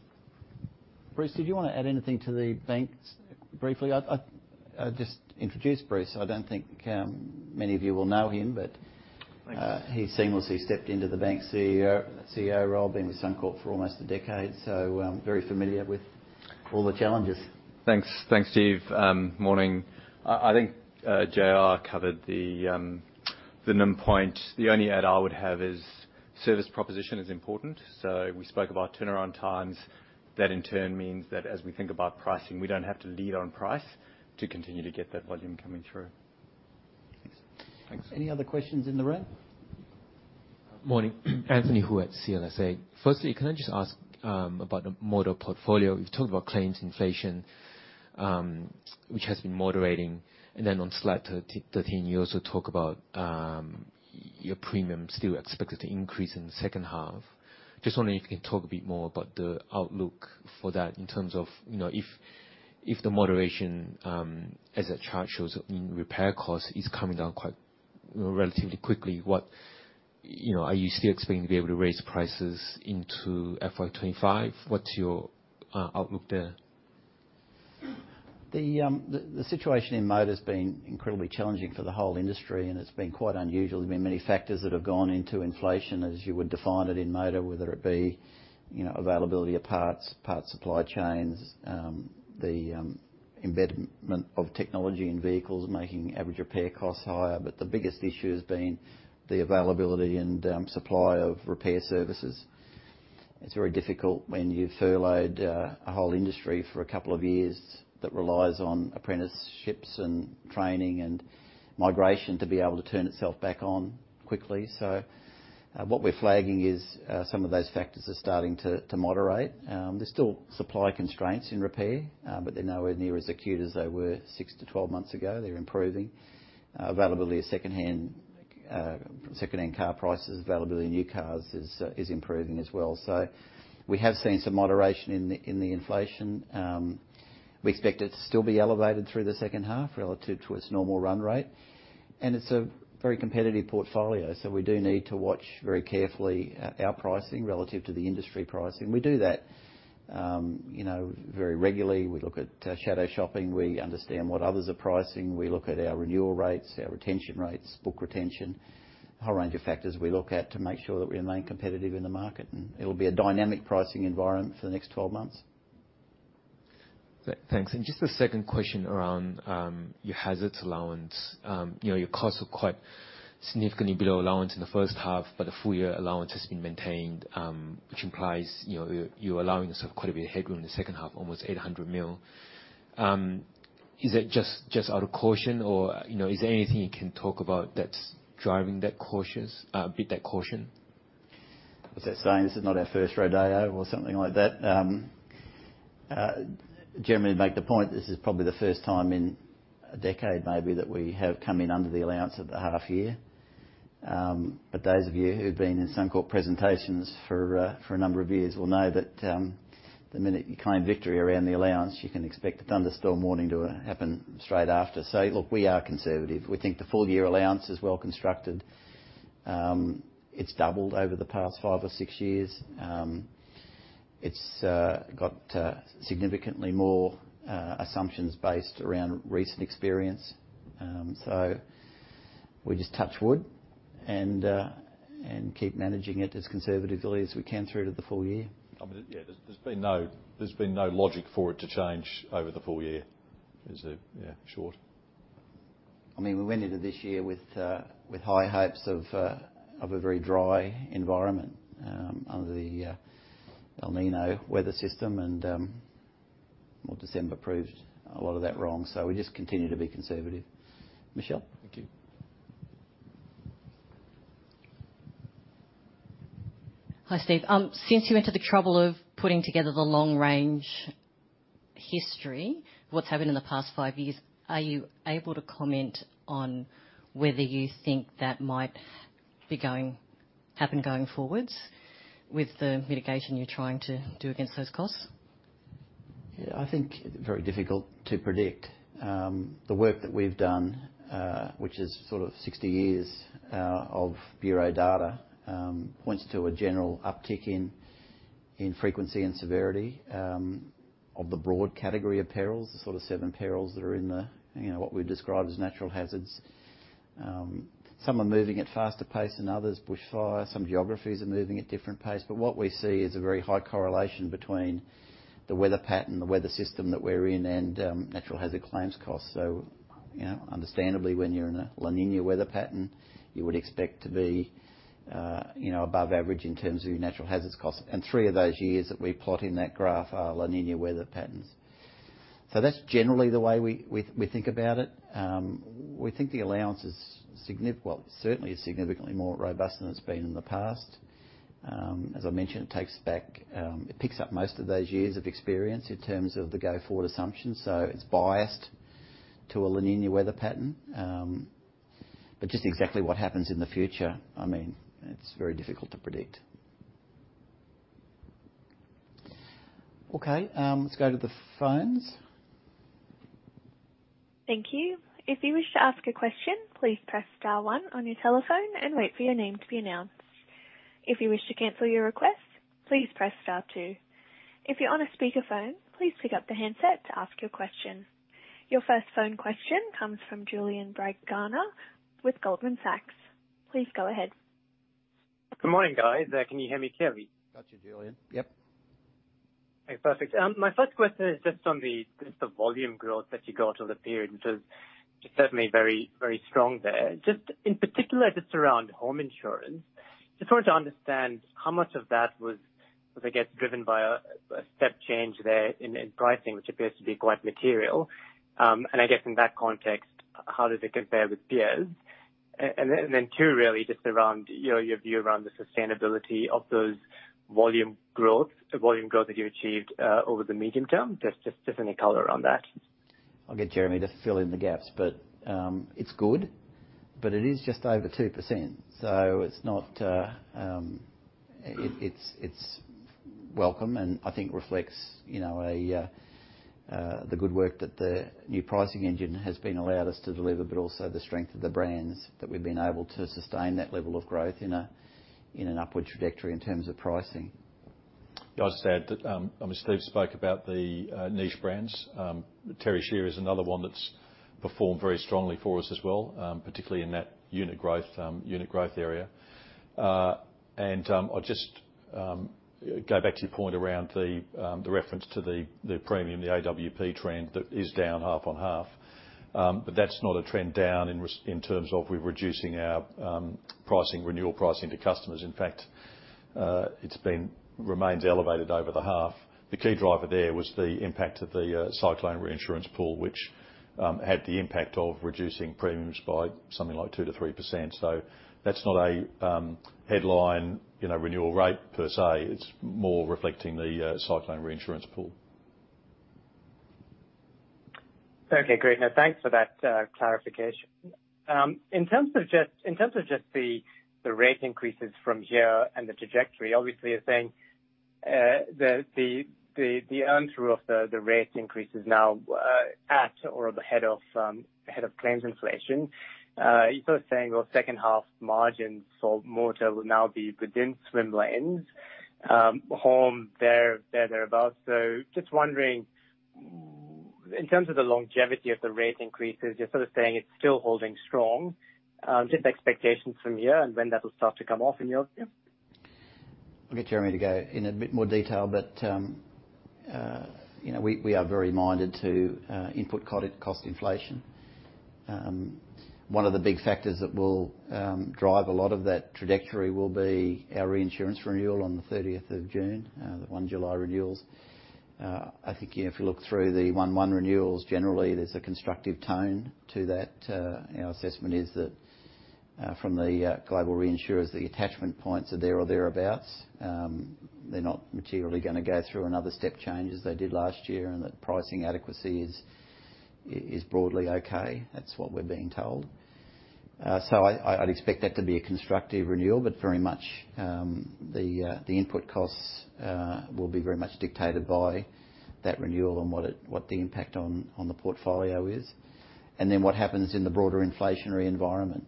Bruce, did you want to add anything to the bank briefly? I just introduced Bruce. I don't think many of you will know him, but- Thanks. He seamlessly stepped into the bank CEO, CEO role, been with Suncorp for almost a decade, so very familiar with all the challenges. Thanks. Thanks, Steve. Morning. I think J.R. covered the NIM point. The only add I would have is service proposition is important. So we spoke about turnaround times. That in turn means that as we think about pricing, we don't have to lead on price to continue to get that volume coming through. Thanks. Any other questions in the room? Morning. Anthony Hu at CLSA. Firstly, can I just ask about the motor portfolio? You've talked about claims inflation, which has been moderating, and then on slide 13, you also talk about your premium still expected to increase in the second half. Just wondering if you can talk a bit more about the outlook for that in terms of, you know, if the moderation as that chart shows in repair costs is coming down quite, you know, relatively quickly. What... You know, are you still expecting to be able to raise prices into FY 2025? What's your outlook there? The situation in motor's been incredibly challenging for the whole industry, and it's been quite unusual. There's been many factors that have gone into inflation, as you would define it in motor, whether it be, you know, availability of parts, parts supply chains, the embedment of technology in vehicles, making average repair costs higher. But the biggest issue has been the availability and supply of repair services. It's very difficult when you've furloughed a whole industry for a couple of years that relies on apprenticeships and training and migration to be able to turn itself back on quickly. So, what we're flagging is, some of those factors are starting to moderate. There's still supply constraints in repair, but they're nowhere near as acute as they were six to twelve months ago. They're improving. Availability of secondhand car prices, availability of new cars is improving as well. So we have seen some moderation in the inflation. We expect it to still be elevated through the second half relative to its normal run rate. And it's a very competitive portfolio, so we do need to watch very carefully our pricing relative to the industry pricing. We do that, you know, very regularly. We look at shadow shopping. We understand what others are pricing. We look at our renewal rates, our retention rates, book retention. A whole range of factors we look at to make sure that we remain competitive in the market, and it'll be a dynamic pricing environment for the next 12 months. Thanks. And just a second question around your hazards allowance. You know, your costs are quite significantly below allowance in the first half, but the full year allowance has been maintained, which implies, you know, you're allowing yourself quite a bit of headroom in the second half, almost 800 million. Is it just out of caution or, you know, is there anything you can talk about that's driving that cautious bit that caution? What's that saying? This is not our first rodeo or something like that? Generally to make the point, this is probably the first time in a decade maybe that we have come in under the allowance at the half year. But those of you who've been in Suncorp presentations for a number of years will know that the minute you claim victory around the allowance, you can expect a thunderstorm warning to happen straight after. So look, we are conservative. We think the full year allowance is well constructed. It's doubled over the past five or six years. It's got significantly more assumptions based around recent experience. So we just touch wood and keep managing it as conservatively as we can through to the full year. I mean, yeah, there's, there's been no, there's been no logic for it to change over the full year. Is there? Yeah, short. I mean, we went into this year with high hopes of a very dry environment under the El Niño weather system, and well, December proved a lot of that wrong, so we just continue to be conservative. Michelle? Thank you. Hi, Steve. Since you went to the trouble of putting together the long range history, what's happened in the past five years, are you able to comment on whether you think that might happen going forwards with the mitigation you're trying to do against those costs? Yeah, I think very difficult to predict. The work that we've done, which is sort of 60 years of bureau data, points to a general uptick in, in frequency and severity of the broad category of perils, the sort of seven perils that are in the, you know, what we describe as natural hazards. Some are moving at a faster pace than others, bushfire. Some geographies are moving at different pace. But what we see is a very high correlation between the weather pattern, the weather system that we're in, and natural hazard claims costs. So, you know, understandably, when you're in a La Niña weather pattern, you would expect to be, you know, above average in terms of your natural hazards costs. And three of those years that we plot in that graph are La Niña weather patterns. So that's generally the way we think about it. We think the allowance is signif- well, certainly significantly more robust than it's been in the past. As I mentioned, it takes back, it picks up most of those years of experience in terms of the go-forward assumptions, so it's biased to a La Niña weather pattern. But just exactly what happens in the future, I mean, it's very difficult to predict. Okay, let's go to the phones. Thank you. If you wish to ask a question, please press star one on your telephone and wait for your name to be announced. If you wish to cancel your request, please press star two. If you're on a speakerphone, please pick up the handset to ask your question. Your first phone question comes from Julian Braganza with Goldman Sachs. Please go ahead. Good morning, guys. Can you hear me clearly? Got you, Julian. Yep. Okay, perfect. My first question is just on the, just the volume growth that you got over the period, which is certainly very, very strong there. Just in particular, just around home insurance, just wanted to understand how much of that was, I guess, driven by a step change there in pricing, which appears to be quite material. And I guess in that context, how does it compare with peers? And then two, really just around, you know, your view around the sustainability of those volume growth, the volume growth that you've achieved over the medium term. Just, just, just any color around that. I'll get Jeremy to fill in the gaps, but it's good, but it is just over 2%, so it's not... It's welcome, and I think reflects, you know, the good work that the new pricing engine has been allowed us to deliver, but also the strength of the brands, that we've been able to sustain that level of growth in an upward trajectory in terms of pricing. Yeah, I'll just add that, I mean, Steve spoke about the, niche brands. Terry Scheer is another one that's performed very strongly for us as well, particularly in that unit growth, unit growth area. I'll just go back to your point around the, the reference to the, the premium, the AWP trend that is down half on half. But that's not a trend down in terms of we're reducing our, pricing, renewal pricing to customers. In fact, it's been - remains elevated over the half. The key driver there was the impact of the, Cyclone Reinsurance Pool, which, had the impact of reducing premiums by something like 2%-3%. So that's not a, headline, you know, renewal rate per se. It's more reflecting the, Cyclone Reinsurance Pool. Okay, great. No, thanks for that, clarification. In terms of just the rate increases from here and the trajectory, obviously, you're saying that the earn through of the rate increases now at or ahead of claims inflation. You're sort of saying, well, second half margins for motor will now be within swim lanes. Home, thereabout. So just wondering, in terms of the longevity of the rate increases, you're sort of saying it's still holding strong. Just expectations from here and when that will start to come off in your view? I'll get Jeremy to go in a bit more detail, but, you know, we, we are very minded to input cost inflation. One of the big factors that will drive a lot of that trajectory will be our reinsurance renewal on the 30th of June, the July 1 renewals. I think if you look through the 1/1 renewals, generally, there's a constructive tone to that. Our assessment is that, from the global reinsurers, the attachment points are there or thereabouts. They're not materially gonna go through another step change as they did last year, and the pricing adequacy is broadly okay. That's what we're being told. So I'd expect that to be a constructive renewal, but very much the input costs will be very much dictated by that renewal and what the impact on the portfolio is, and then what happens in the broader inflationary environment.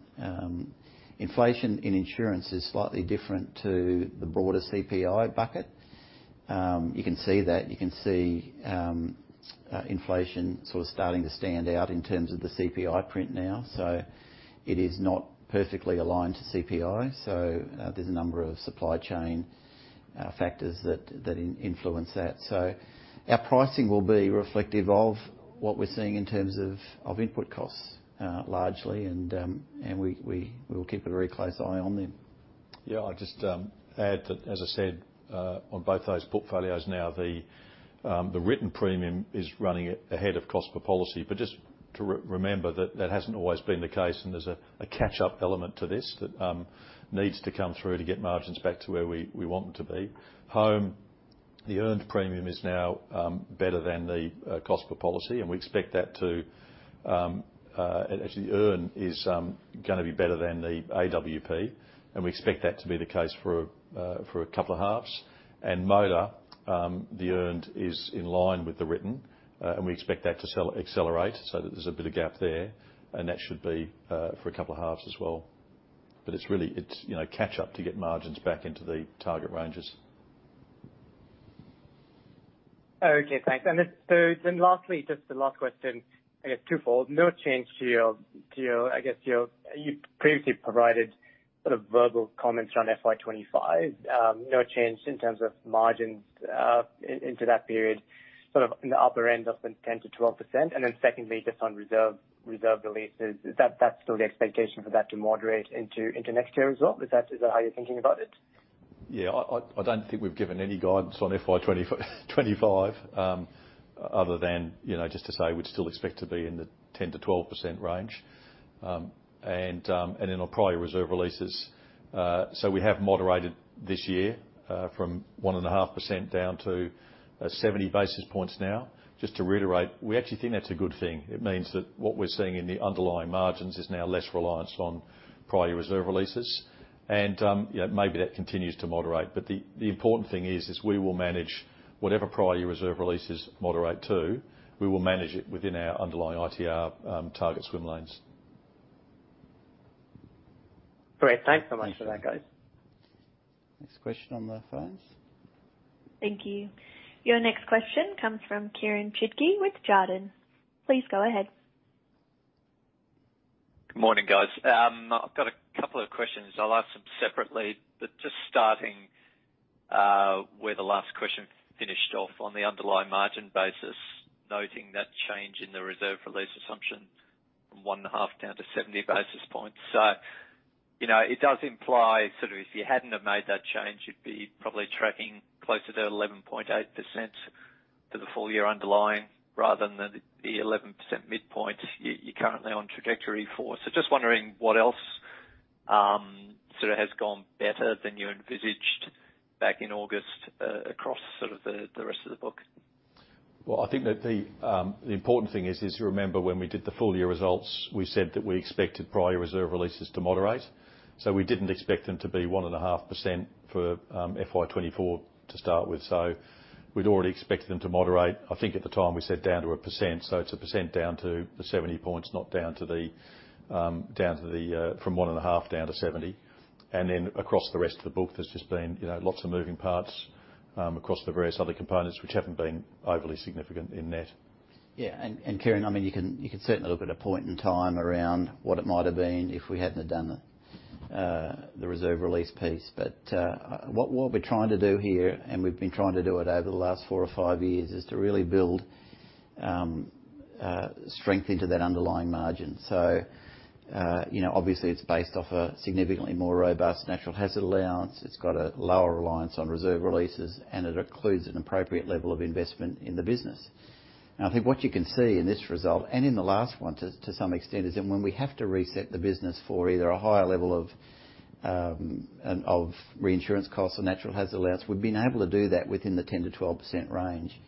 Inflation in insurance is slightly different to the broader CPI bucket. You can see that inflation sort of starting to stand out in terms of the CPI print now, so it is not perfectly aligned to CPI. So there's a number of supply chain factors that influence that. So our pricing will be reflective of what we're seeing in terms of input costs largely, and we'll keep a very close eye on them. Yeah, I'll just add that, as I said, on both those portfolios now, the written premium is running ahead of cost per policy. But just to remember that that hasn't always been the case, and there's a catch-up element to this that needs to come through to get margins back to where we, we want them to be. Home, the earned premium is now better than the cost per policy, and we expect that to... Actually, earn is gonna be better than the AWP, and we expect that to be the case for a couple of halves. And motor, the earned is in line with the written, and we expect that to accelerate so that there's a bit of gap there, and that should be for a couple of halves as well. It's really, it's, you know, catch up to get margins back into the target ranges. Okay, thanks. Just so then lastly, just the last question, I guess twofold: No change to your, to your, I guess, your... You previously provided sort of verbal comments on FY 2025. No change in terms of margins, into that period, sort of in the upper end of the 10%-12%. And then secondly, just on reserve, reserve releases, is that, that's still the expectation for that to moderate into next year as well? Is that how you're thinking about it? Yeah, I don't think we've given any guidance on FY 2025, other than, you know, just to say we'd still expect to be in the 10%-12% range. And in our prior reserve releases, so we have moderated this year from 1.5% down to 70 basis points now. Just to reiterate, we actually think that's a good thing. It means that what we're seeing in the underlying margins is now less reliance on prior reserve releases, and yeah, maybe that continues to moderate. But the important thing is we will manage whatever prior reserve releases moderate to, we will manage it within our underlying ITR target swim lanes. Great. Thanks so much for that, guys. Next question on the phones? Thank you. Your next question comes from Kieran Chidgey with Jarden. Please go ahead. Good morning, guys. I've got a couple of questions. I'll ask them separately, but just starting where the last question finished off on the underlying margin basis, noting that change in the reserve release assumption from 1.5 down to 70 basis points. So, you know, it does imply, sort of, if you hadn't have made that change, you'd be probably tracking closer to 11.8% to the full year underlying, rather than the 11% midpoint you're currently on trajectory for. So just wondering what else, sort of has gone better than you envisaged back in August across sort of the rest of the book? Well, I think that the important thing is you remember when we did the full year results, we said that we expected prior reserve releases to moderate, so we didn't expect them to be 1.5% for FY 2024 to start with. So we'd already expected them to moderate. I think at the time we said, down to 1%, so it's 1% down to the 70 points, not down to the... From 1.5 down to 70. And then across the rest of the book, there's just been, you know, lots of moving parts across the various other components, which haven't been overly significant in net. Yeah, and Kieran, I mean, you can certainly look at a point in time around what it might have been if we hadn't have done the reserve release piece. But, what we're trying to do here, and we've been trying to do it over the last four or five years, is to really build strength into that underlying margin. So, you know, obviously, it's based off a significantly more robust natural hazard allowance. It's got a lower reliance on reserve releases, and it includes an appropriate level of investment in the business. I think what you can see in this result, and in the last one, to some extent, is that when we have to reset the business for either a higher level of of reinsurance costs or natural hazard allowance, we've been able to do that within the 10%-12% range.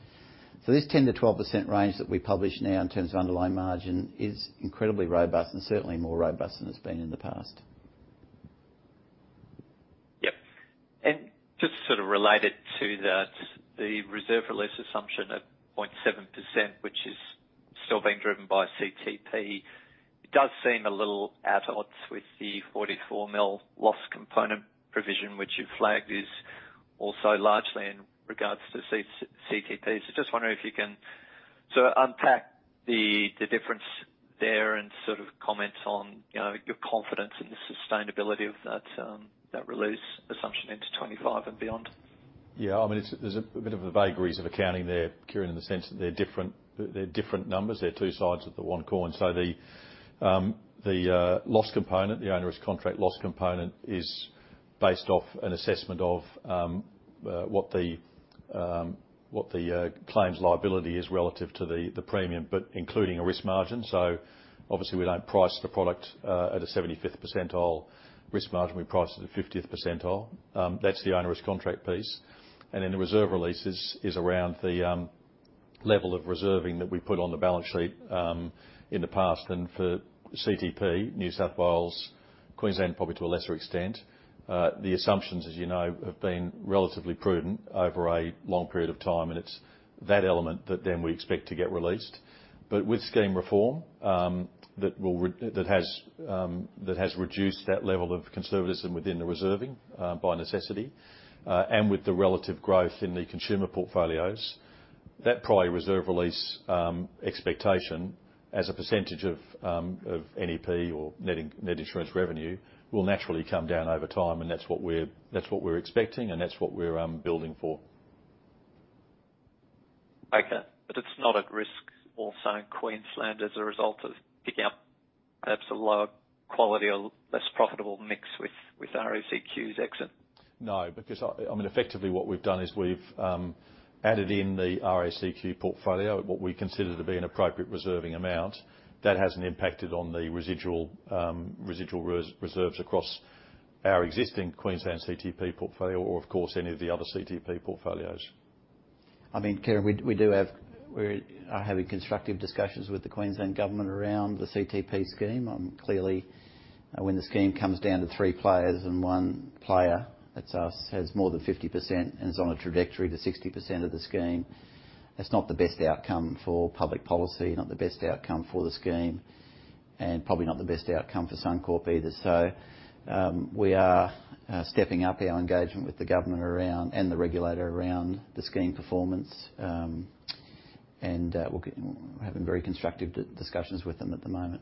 This 10%-12% range that we publish now, in terms of underlying margin, is incredibly robust and certainly more robust than it's been in the past. Yep. And just sort of related to that, the reserve release assumption at 0.7%, which is still being driven by CTP, it does seem a little at odds with the 44 million loss component provision, which you've flagged is also largely in regards to CTP. So just wondering if you can sort of unpack the, the difference there and sort of comment on, you know, your confidence in the sustainability of that, that release assumption into 2025 and beyond. Yeah, I mean, it's. There's a bit of the vagaries of accounting there, Kieran, in the sense that they're different, they're different numbers. They're two sides of the one coin. So the loss component, the onerous contract loss component, is based off an assessment of what the claims liability is relative to the premium, but including a risk margin. So obviously, we don't price the product at a 75th percentile risk margin, we price it at 50th percentile. That's the onerous contract piece. And then the reserve release is around the level of reserving that we put on the balance sheet in the past. For CTP, New South Wales, Queensland, probably to a lesser extent, the assumptions, as you know, have been relatively prudent over a long period of time, and it's that element that then we expect to get released. But with scheme reform, that has reduced that level of conservatism within the reserving, by necessity, and with the relative growth in the consumer portfolios, that prior reserve release expectation, as a percentage of, of NEP or net insurance revenue, will naturally come down over time, and that's what we're, that's what we're, building for. Okay. But it's not at risk also in Queensland as a result of picking up perhaps a lower quality or less profitable mix with RACQ's exit? No, because I mean, effectively what we've done is we've added in the RACQ portfolio at what we consider to be an appropriate reserving amount. That hasn't impacted on the residual reserves across our existing Queensland CTP portfolio or, of course, any of the other CTP portfolios. I mean, Kieran, we do have—we're having constructive discussions with the Queensland Government around the CTP scheme. Clearly, when the scheme comes down to three players, and one player, that's us, has more than 50% and is on a trajectory to 60% of the scheme, that's not the best outcome for public policy, not the best outcome for the scheme, and probably not the best outcome for Suncorp either. So, we are stepping up our engagement with the government and the regulator around the scheme performance, and we're having very constructive discussions with them at the moment.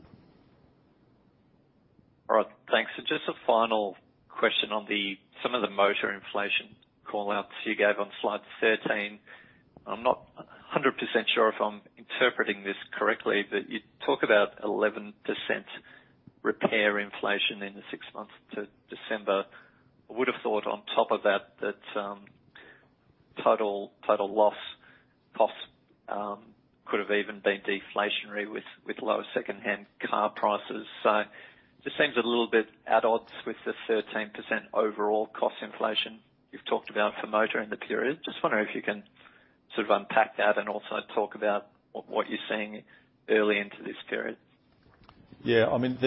All right, thanks. So just a final question on some of the motor inflation call-outs you gave on slide 13. I'm not 100% sure if I'm interpreting this correctly, but you talk about 11% repair inflation in the six months to December. I would've thought on top of that, that total, total loss costs could have even been deflationary with, with lower secondhand car prices. So just seems a little bit at odds with the 13% overall cost inflation you've talked about for motor in the period. Just wondering if you can sort of unpack that and also talk about what, what you're seeing early into this period? Yeah, I mean,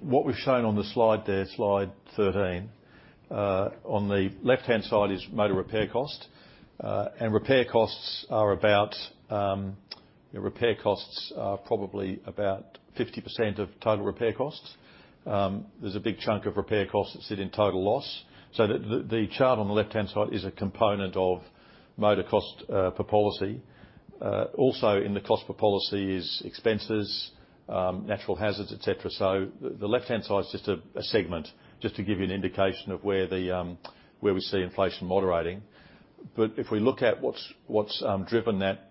what we've shown on the slide there, slide 13, on the left-hand side is motor repair cost, and repair costs are about, repair costs are probably about 50% of total repair costs. There's a big chunk of repair costs that sit in total loss. So the chart on the left-hand side is a component of motor cost per policy. Also in the cost per policy is expenses, natural hazards, et cetera. So the left-hand side is just a segment, just to give you an indication of where we see inflation moderating. But if we look at what's driven that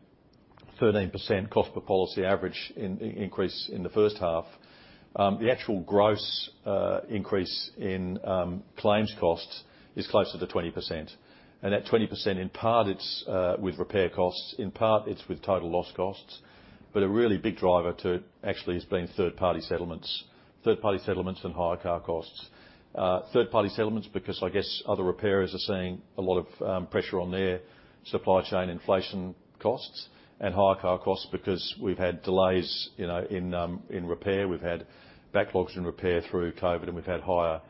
13% cost per policy average increase in the first half, the actual gross increase in claims costs is closer to 20%. That 20%, in part, it's with repair costs, in part it's with total loss costs. A really big driver to it actually has been third-party settlements, third-party settlements and hire car costs. Third-party settlements, because I guess other repairers are seeing a lot of pressure on their supply chain inflation costs and hire car costs, because we've had delays, you know, in in repair. We've had backlogs in repair through COVID, and we've had higher,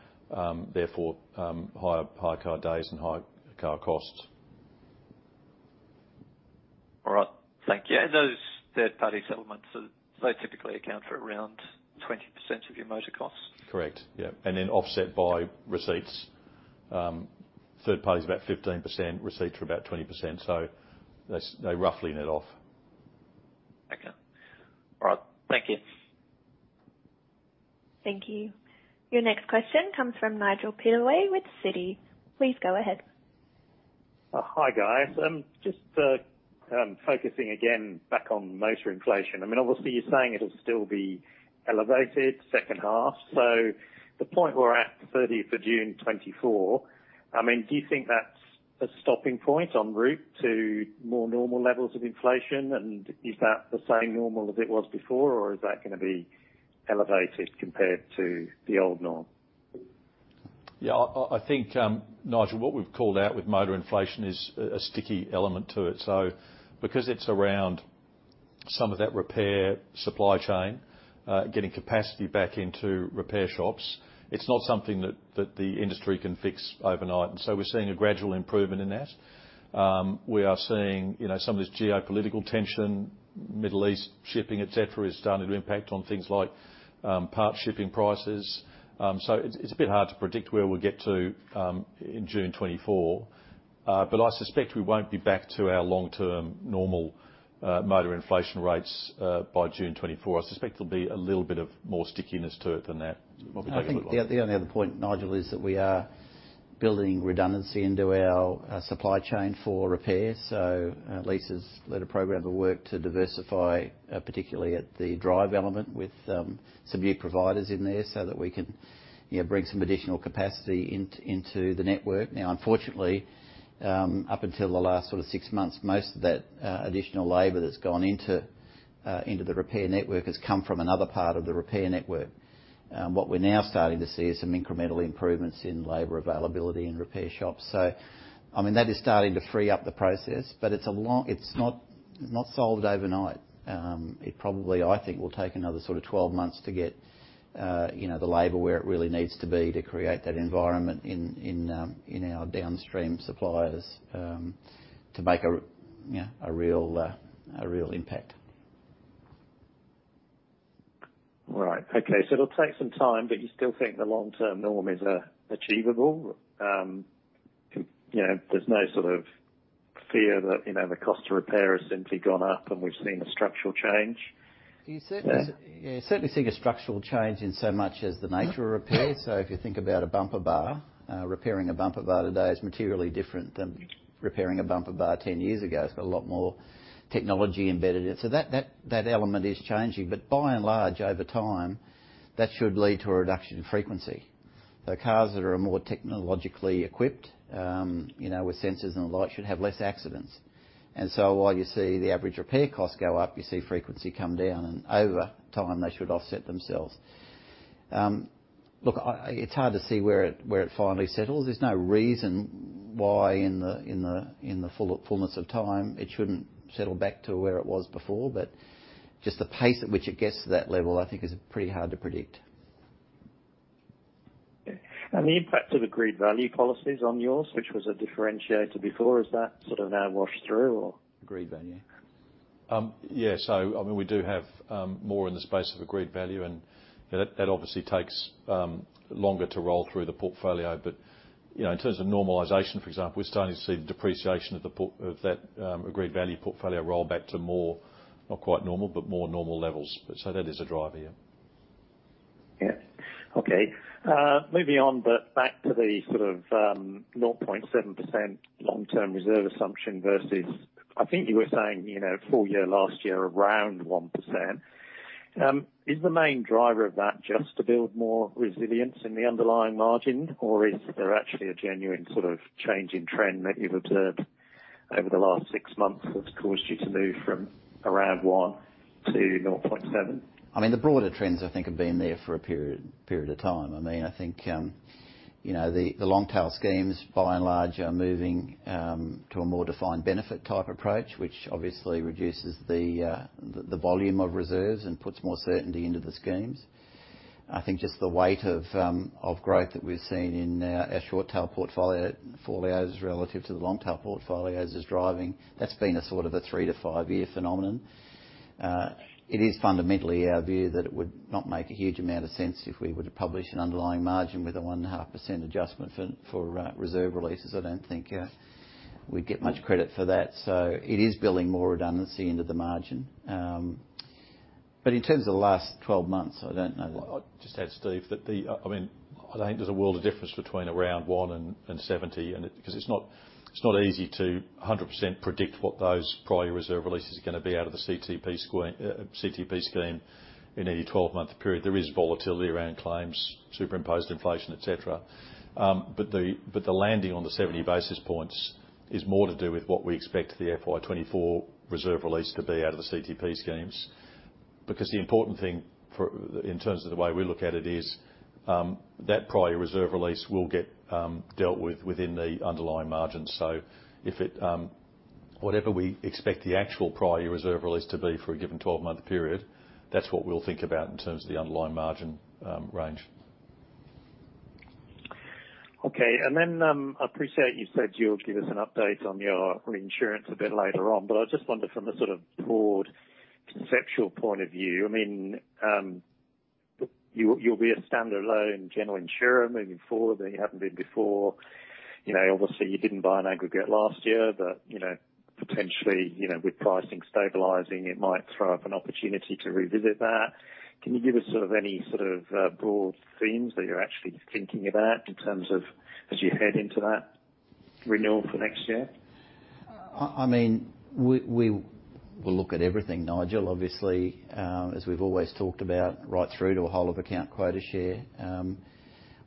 therefore, higher hire car days and hire car costs. All right. Thank you. Those third-party settlements, are they typically account for around 20% of your motor costs? Correct. Yeah, and then offset by receipts. Third party is about 15%, receipts are about 20%, so they, they roughly net off. Okay. All right, thank you. Thank you. Your next question comes from Nigel Pittaway with Citi. Please go ahead. Hi, guys. Just focusing again back on motor inflation. I mean, obviously, you're saying it'll still be elevated second half. So the point we're at, 30th of June 2024, I mean, do you think that's a stopping point en route to more normal levels of inflation? And is that the same normal as it was before, or is that gonna be elevated compared to the old norm? Yeah, I think, Nigel, what we've called out with motor inflation is a sticky element to it. So because it's around some of that repair supply chain, getting capacity back into repair shops, it's not something that the industry can fix overnight, and so we're seeing a gradual improvement in that. We are seeing, you know, some of this geopolitical tension, Middle East shipping, et cetera, is starting to impact on things like part shipping prices. So it's a bit hard to predict where we'll get to in June 2024. But I suspect we won't be back to our long-term normal motor inflation rates by June 2024. I suspect there'll be a little bit of more stickiness to it than that. Maybe take a look. I think the only other point, Nigel, is that we are building redundancy into our supply chain for repairs. So, Lisa's led a program of work to diversify, particularly at the drive element, with some new providers in there so that we can, you know, bring some additional capacity into the network. Now, unfortunately, up until the last sort of six months, most of that additional labor that's gone into the repair network has come from another part of the repair network. What we're now starting to see is some incremental improvements in labor availability in repair shops. So, I mean, that is starting to free up the process, but it's a long... it's not solved overnight. It probably, I think, will take another sort of 12 months to get, you know, the labor where it really needs to be to create that environment in our downstream suppliers, to make a, you know, a real impact. All right. Okay, so it'll take some time, but you still think the long-term norm is achievable? You know, there's no sort of fear that, you know, the cost to repair has simply gone up, and we've seen a structural change? You certainly- Yeah. You certainly see a structural change in so much as the nature of repair. So if you think about a bumper bar, repairing a bumper bar today is materially different than repairing a bumper bar 10 years ago. It's got a lot more technology embedded in it. So that, that, that element is changing. But by and large, over time, that should lead to a reduction in frequency. The cars that are more technologically equipped, you know, with sensors and the like, should have less accidents. And so while you see the average repair costs go up, you see frequency come down, and over time, they should offset themselves. Look, I, it's hard to see where it, where it finally settles. There's no reason why, in the fullness of time, it shouldn't settle back to where it was before, but just the pace at which it gets to that level, I think, is pretty hard to predict. Okay. The impact of agreed value policies on yours, which was a differentiator before, is that sort of now washed through or? Agreed value. Yeah, so I mean, we do have more in the space of agreed value, and that, that obviously takes longer to roll through the portfolio. But, you know, in terms of normalization, for example, we're starting to see the depreciation of the portfolio of that agreed value portfolio roll back to more, not quite normal, but more normal levels. But so that is a driver, yeah. Yeah. Okay. moving on, but back to the sort of, 0.7% long-term reserve assumption versus I think you were saying, you know, full year, last year, around 1%. Is the main driver of that just to build more resilience in the underlying margin, or is there actually a genuine sort of change in trend that you've observed over the last six months that's caused you to move from around 1 to 0.7? I mean, the broader trends I think have been there for a period of time. I mean, I think, you know, the long tail schemes, by and large, are moving to a more defined benefit type approach, which obviously reduces the volume of reserves and puts more certainty into the schemes. I think just the weight of growth that we've seen in our short tail portfolios relative to the long tail portfolios is driving. That's been a sort of a three to five-year phenomenon.... It is fundamentally our view that it would not make a huge amount of sense if we were to publish an underlying margin with a 1.5% adjustment for reserve releases. I don't think we'd get much credit for that, so it is building more redundancy into the margin. But in terms of the last twelve months, I don't know. I'll just add, Steve, that the, I mean, I don't think there's a world of difference between around one and 70, and it, because it's not easy to 100% predict what those prior reserve releases are gonna be out of the CTP scheme in any 12-month period. There is volatility around claims, superimposed inflation, et cetera. But the landing on the 70 basis points is more to do with what we expect the FY 2024 reserve release to be out of the CTP schemes. Because the important thing, in terms of the way we look at it, is that prior reserve release will get dealt with within the underlying margins. So if it... Whatever we expect the actual prior year reserve release to be for a given 12-month period, that's what we'll think about in terms of the underlying margin, range. Okay. And then, I appreciate you said you'll give us an update on your reinsurance a bit later on, but I just wondered from a sort of broad conceptual point of view, I mean, you'll be a standalone general insurer moving forward, but you haven't been before. You know, obviously, you didn't buy an aggregate last year, but, you know, potentially, you know, with pricing stabilizing, it might throw up an opportunity to revisit that. Can you give us sort of any sort of broad themes that you're actually thinking about in terms of as you head into that renewal for next year? I mean, we will look at everything, Nigel. Obviously, as we've always talked about, right through to a whole of account quota share,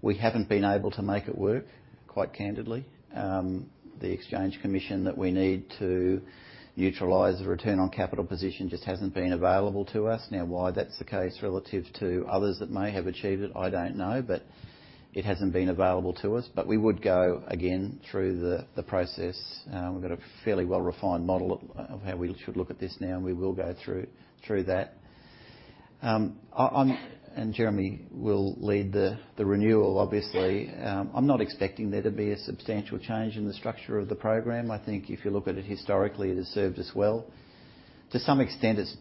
we haven't been able to make it work, quite candidly. The exchange commission that we need to utilize the return on capital position just hasn't been available to us. Now, why that's the case, relative to others that may have achieved it, I don't know, but it hasn't been available to us. But we would go again through the process. We've got a fairly well-refined model of how we should look at this now, and we will go through that. I - and Jeremy will lead the renewal, obviously. I'm not expecting there to be a substantial change in the structure of the program. I think if you look at it historically, it has served us well. To some extent, it's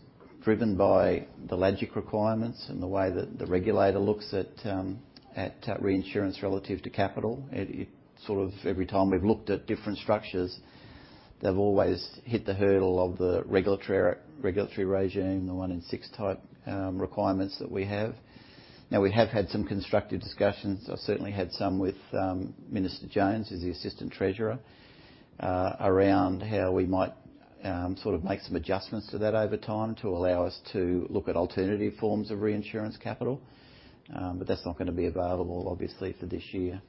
driven by the logic requirements and the way that the regulator looks at at reinsurance relative to capital. It sort of every time we've looked at different structures, they've always hit the hurdle of the regulatory regulatory regime, the one in six type requirements that we have. Now, we have had some constructive discussions. I've certainly had some with Minister Jones, who's the assistant treasurer, around how we might sort of make some adjustments to that over time to allow us to look at alternative forms of reinsurance capital. But that's not gonna be available, obviously, for this year.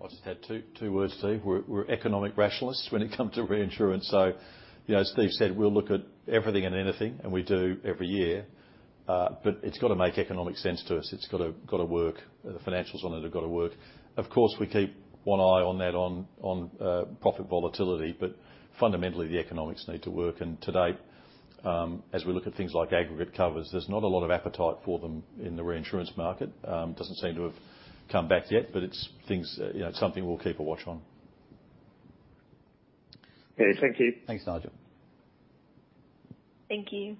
I'll just add two words, Steve. We're economic rationalists when it comes to reinsurance. So, you know, as Steve said, we'll look at everything and anything, and we do every year, but it's got to make economic sense to us. It's got to work. The financials on it have got to work. Of course, we keep one eye on that, on profit volatility, but fundamentally, the economics need to work. And to date, as we look at things like aggregate covers, there's not a lot of appetite for them in the reinsurance market. Doesn't seem to have come back yet, but it's things, you know, it's something we'll keep a watch on. Okay. Thank you. Thanks, Nigel. Thank you.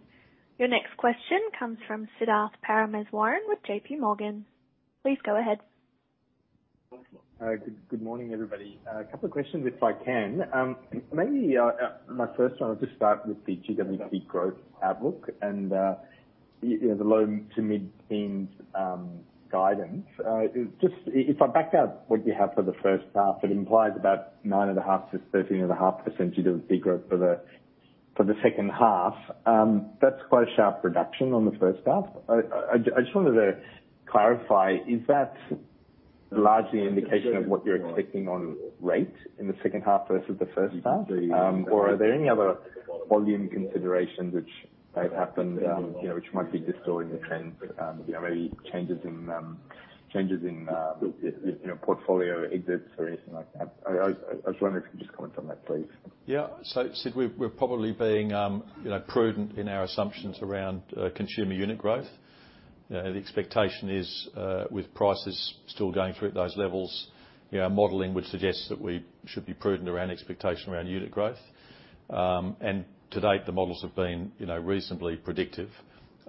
Your next question comes from Siddharth Parameswaran with JP Morgan. Please go ahead. Good, good morning, everybody. A couple of questions, if I can. Maybe my first one, I'll just start with the GWP growth outlook and, you know, the low to mid-teen guidance. Just if I back out what you have for the first half, it implies about 9.5%-13.5% GWP growth for the second half. That's quite a sharp reduction on the first half. I, I, just wanted to clarify, is that largely indication of what you're expecting on rate in the second half versus the first half? Or are there any other volume considerations which might happen, you know, which might be distorting the trends? You know, any changes in, changes in, you know, portfolio exits or anything like that? I was wondering if you could just comment on that, please. Yeah. So Sid, we're probably being, you know, prudent in our assumptions around consumer unit growth. The expectation is, with prices still going through at those levels, you know, our modeling would suggest that we should be prudent around expectation around unit growth. And to date, the models have been, you know, reasonably predictive.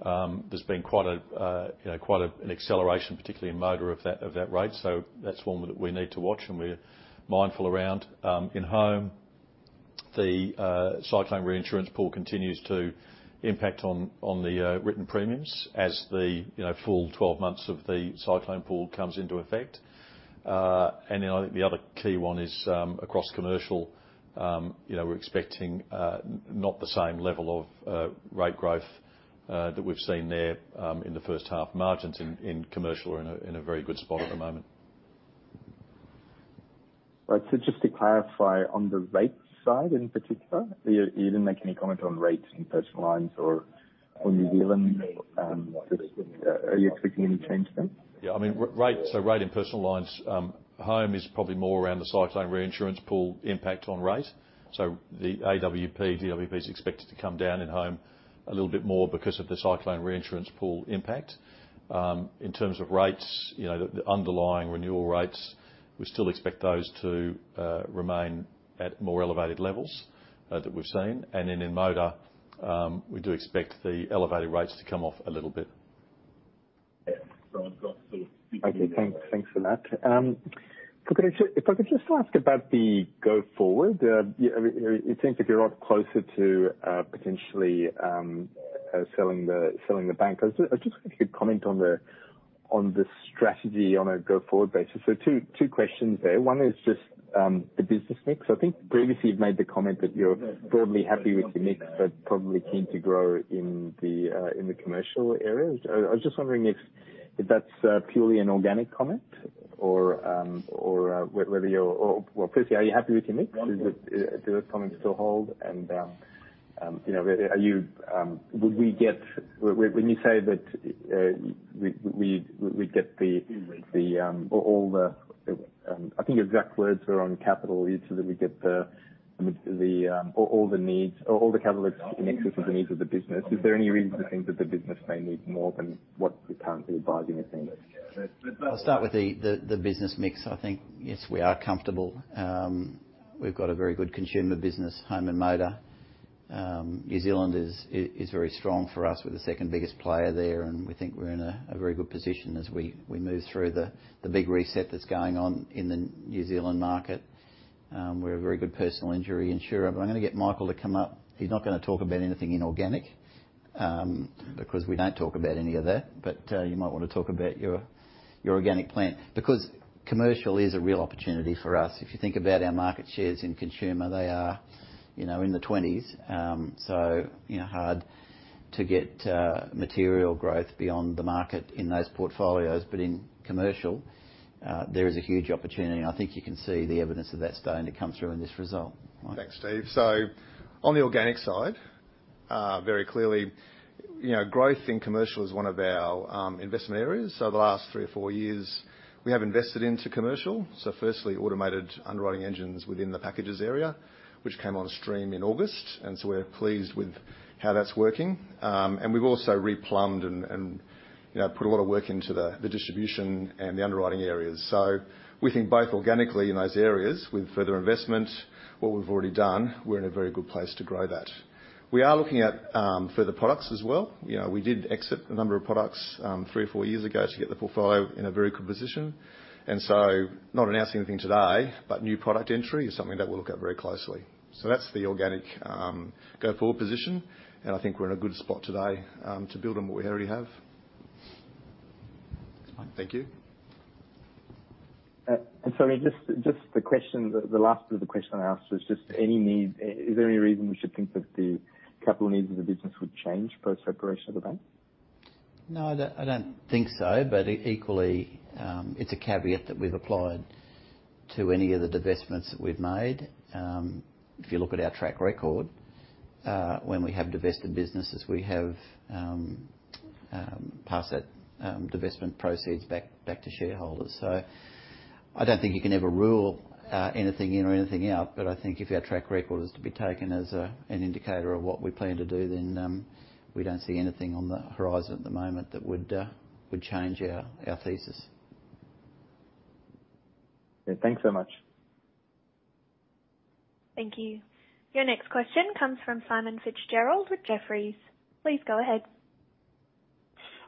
There's been quite a, you know, quite a, an acceleration, particularly in Motor of that rate. So that's one that we need to watch, and we're mindful around. In Home, the Cyclone Reinsurance Pool continues to impact on the written premiums as the, you know, full 12 months of the Cyclone Reinsurance Pool comes into effect. I think the other key one is, across commercial, you know, we're expecting not the same level of rate growth that we've seen there in the first half. Margins in commercial are in a very good spot at the moment. Right. So just to clarify, on the rate side in particular, you didn't make any comment on rates in personal lines or New Zealand. Just, are you expecting any change then? Yeah, I mean, rate, so rate in personal lines, Home is probably more around the Cyclone Reinsurance Pool impact on rate. So the AWP GWP is expected to come down in Home a little bit more because of the Cyclone Reinsurance Pool impact. In terms of rates, you know, the underlying renewal rates, we still expect those to remain at more elevated levels that we've seen. And then in Motor, we do expect the elevated rates to come off a little bit.... Yeah, so I've got sort of- Okay, thank, thanks for that. If I could just, if I could just ask about the go forward. I mean, it seems like you're a lot closer to, potentially, selling the, selling the bank. I just, I just wonder if you could comment on the, on the strategy on a go-forward basis. So two, two questions there. One is just, the business mix. I think previously you've made the comment that you're broadly happy with the mix, but probably keen to grow in the, in the commercial area. I was just wondering if, if that's, purely an organic comment or, or, whether you're... Or, well, firstly, are you happy with your mix? One point. Does it, does that comment still hold? And, you know, are you, would we get... When you say that, we, we'd get the, the, or all the-- I think your exact words were on capital, is that we get the, I mean, the, all, all the needs or all the capital needs of the business. Is there any reason to think that the business may need more than what you're currently advising us in? I'll start with the business mix. I think, yes, we are comfortable. We've got a very good consumer business, home and motor. New Zealand is very strong for us. We're the second biggest player there, and we think we're in a very good position as we move through the big reset that's going on in the New Zealand market. We're a very good personal injury insurer. But I'm going to get Michael to come up. He's not going to talk about anything inorganic, because we don't talk about any of that, but you might want to talk about your organic plan. Because commercial is a real opportunity for us. If you think about our market shares in consumer, they are, you know, in the twenties. So, you know, hard to get material growth beyond the market in those portfolios. But in commercial, there is a huge opportunity, and I think you can see the evidence of that starting to come through in this result. Mike? Thanks, Steve. So on the organic side, very clearly, you know, growth in commercial is one of our investment areas. So the last three or four years, we have invested into commercial. So firstly, automated underwriting engines within the packages area, which came on stream in August, and so we're pleased with how that's working. And we've also replumbed and, you know, put a lot of work into the distribution and the underwriting areas. So we think both organically in those areas with further investment, what we've already done, we're in a very good place to grow that. We are looking at further products as well. You know, we did exit a number of products, three or four years ago to get the portfolio in a very good position. So not announcing anything today, but new product entry is something that we'll look at very closely. So that's the organic, go forward position, and I think we're in a good spot today, to build on what we already have. Thank you. And sorry, just the question, the last of the question I asked was just any need, is there any reason we should think that the capital needs of the business would change post-separation of the bank? No, I don't, I don't think so, but equally, it's a caveat that we've applied to any of the divestments that we've made. If you look at our track record, when we have divested businesses, we have passed that divestment proceeds back, back to shareholders. So I don't think you can ever rule anything in or anything out, but I think if our track record is to be taken as an indicator of what we plan to do, then we don't see anything on the horizon at the moment that would change our thesis. Yeah. Thanks so much. Thank you. Your next question comes from Simon Fitzgerald with Jefferies. Please go ahead.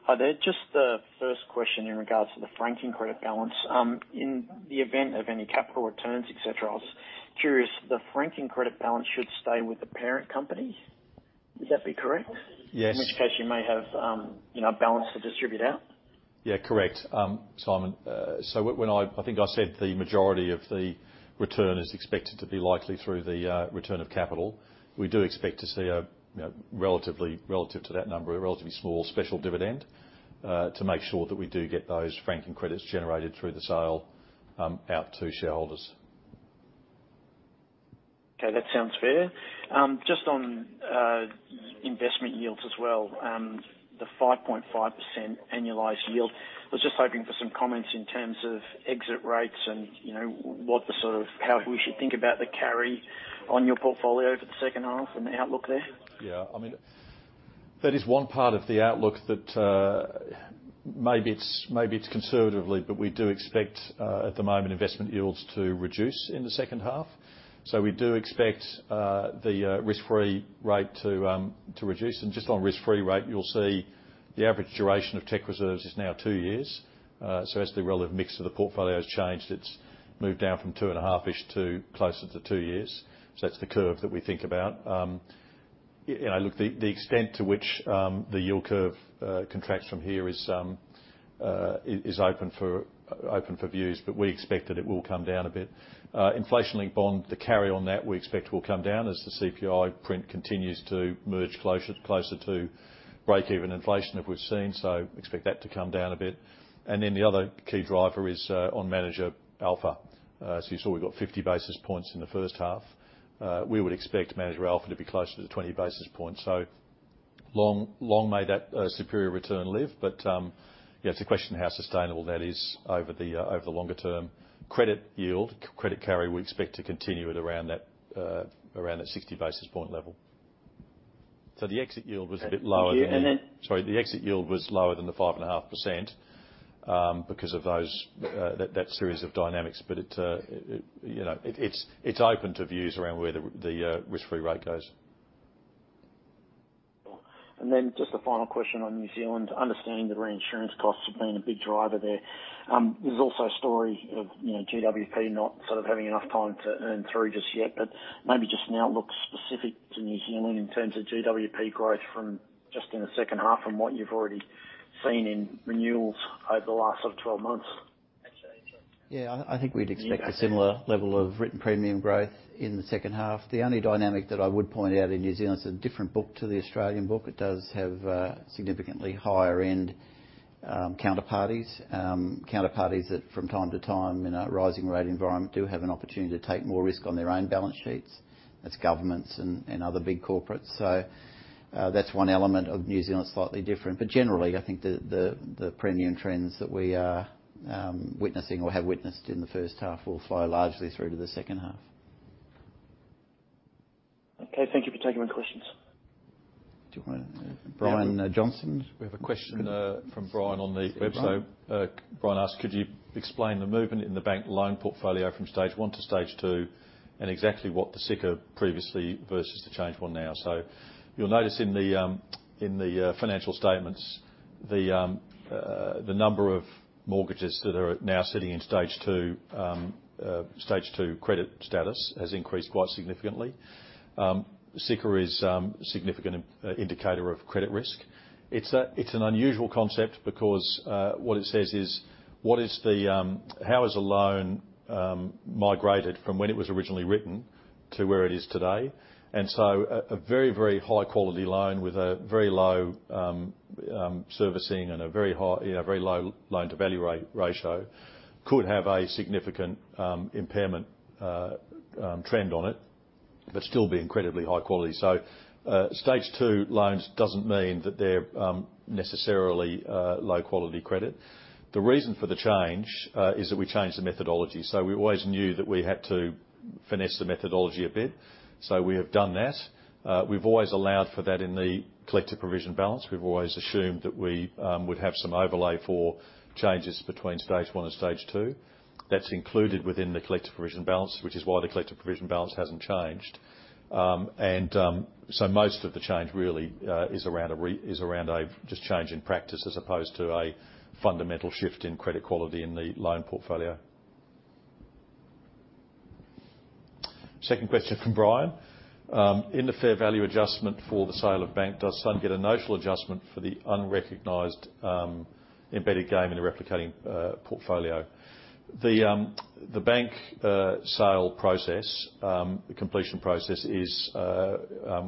Hi there, just the first question in regards to the franking credit balance. In the event of any capital returns, et cetera, I was curious, the franking credit balance should stay with the parent company? Would that be correct? Yes. -in which case you may have, you know, balance to distribute out. Yeah, correct. Simon, so when I think I said the majority of the return is expected to be likely through the return of capital. We do expect to see a, you know, relatively, relative to that number, a relatively small special dividend, to make sure that we do get those franking credits generated through the sale out to shareholders. Okay, that sounds fair. Just on investment yields as well, the 5.5% annualized yield. I was just hoping for some comments in terms of exit rates and, you know, what - how we should think about the carry on your portfolio for the second half and the outlook there. Yeah. I mean, that is one part of the outlook that, maybe it's conservatively, but we do expect, at the moment, investment yields to reduce in the second half. So we do expect, the risk-free rate to reduce. And just on risk-free rate, you'll see the average duration of tech reserves is now two years. So as the relative mix of the portfolio has changed, it's moved down from two and a half-ish to closer to two years. So that's the curve that we think about. You know, look, the extent to which the yield curve contracts from here is open for views, but we expect that it will come down a bit. Inflation-linked bond, the carry on that we expect will come down as the CPI print continues to move closer, closer to breakeven inflation that we've seen, so expect that to come down a bit. And then the other key driver is on Manager Alpha. So you saw we got 50 basis points in the first half. We would expect Manager Alpha to be closer to 20 basis points. So long, long may that superior return live, but it's a question of how sustainable that is over the longer term. Credit yield, credit carry, we expect to continue at around that, around that 60 basis point level. So the exit yield was a bit lower than- And then- Sorry, the exit yield was lower than the 5.5%, because of those that series of dynamics. But it, you know, it's open to views around where the risk-free rate goes. ... And then just a final question on New Zealand. Understanding the reinsurance costs have been a big driver there, there's also a story of, you know, GWP not sort of having enough time to earn through just yet. But maybe just an outlook specific to New Zealand in terms of GWP growth from just in the second half, from what you've already seen in renewals over the last sort of 12 months? Yeah, I think we'd expect a similar level of written premium growth in the second half. The only dynamic that I would point out in New Zealand, it's a different book to the Australian book. It does have significantly higher end counterparties. Counterparties that from time to time, in a rising rate environment, do have an opportunity to take more risk on their own balance sheets. That's governments and other big corporates. So, that's one element of New Zealand that's slightly different. But generally, I think the premium trends that we are witnessing or have witnessed in the first half will flow largely through to the second half. Okay. Thank you for taking my questions. Do you want to Brian Johnson? We have a question from Brian on the web. So, uh, Brian asks, "Could you explain the movement in the bank loan portfolio from stage one to stage two, and exactly what the SICR previously versus the change one now?" So you'll notice in the financial statements, the number of mortgages that are now sitting in stage two, stage two credit status has increased quite significantly. SICR is a significant indicator of credit risk. It's an unusual concept because what it says is, what is the... How has a loan migrated from when it was originally written to where it is today? So a very, very high quality loan with a very low servicing and a very high, very low loan-to-value ratio could have a significant impairment trend on it, but still be incredibly high quality. Stage two loans doesn't mean that they're necessarily a low-quality credit. The reason for the change is that we changed the methodology, so we always knew that we had to finesse the methodology a bit. So we have done that. We've always allowed for that in the collective provision balance. We've always assumed that we would have some overlay for changes between stage one and stage two. That's included within the collective provision balance, which is why the collective provision balance hasn't changed. So most of the change really is around just a change in practice, as opposed to a fundamental shift in credit quality in the loan portfolio. Second question from Brian: "In the fair value adjustment for the sale of bank, does Sun get a notional adjustment for the unrecognized, embedded gain in the replicating portfolio?" The bank sale process, the completion process is,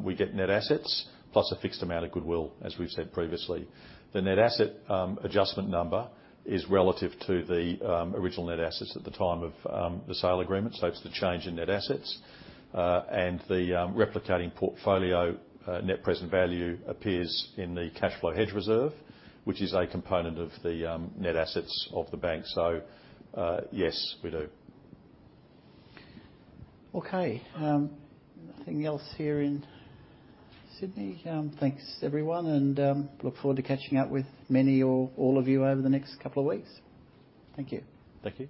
we get net assets plus a fixed amount of goodwill, as we've said previously. The net asset adjustment number is relative to the original net assets at the time of the sale agreement, so it's the change in net assets. The Replicating Portfolio net present value appears in the cash flow hedge reserve, which is a component of the net assets of the bank. So, yes, we do. Okay. Nothing else here in Sydney. Thanks, everyone, and look forward to catching up with many or all of you over the next couple of weeks. Thank you. Thank you.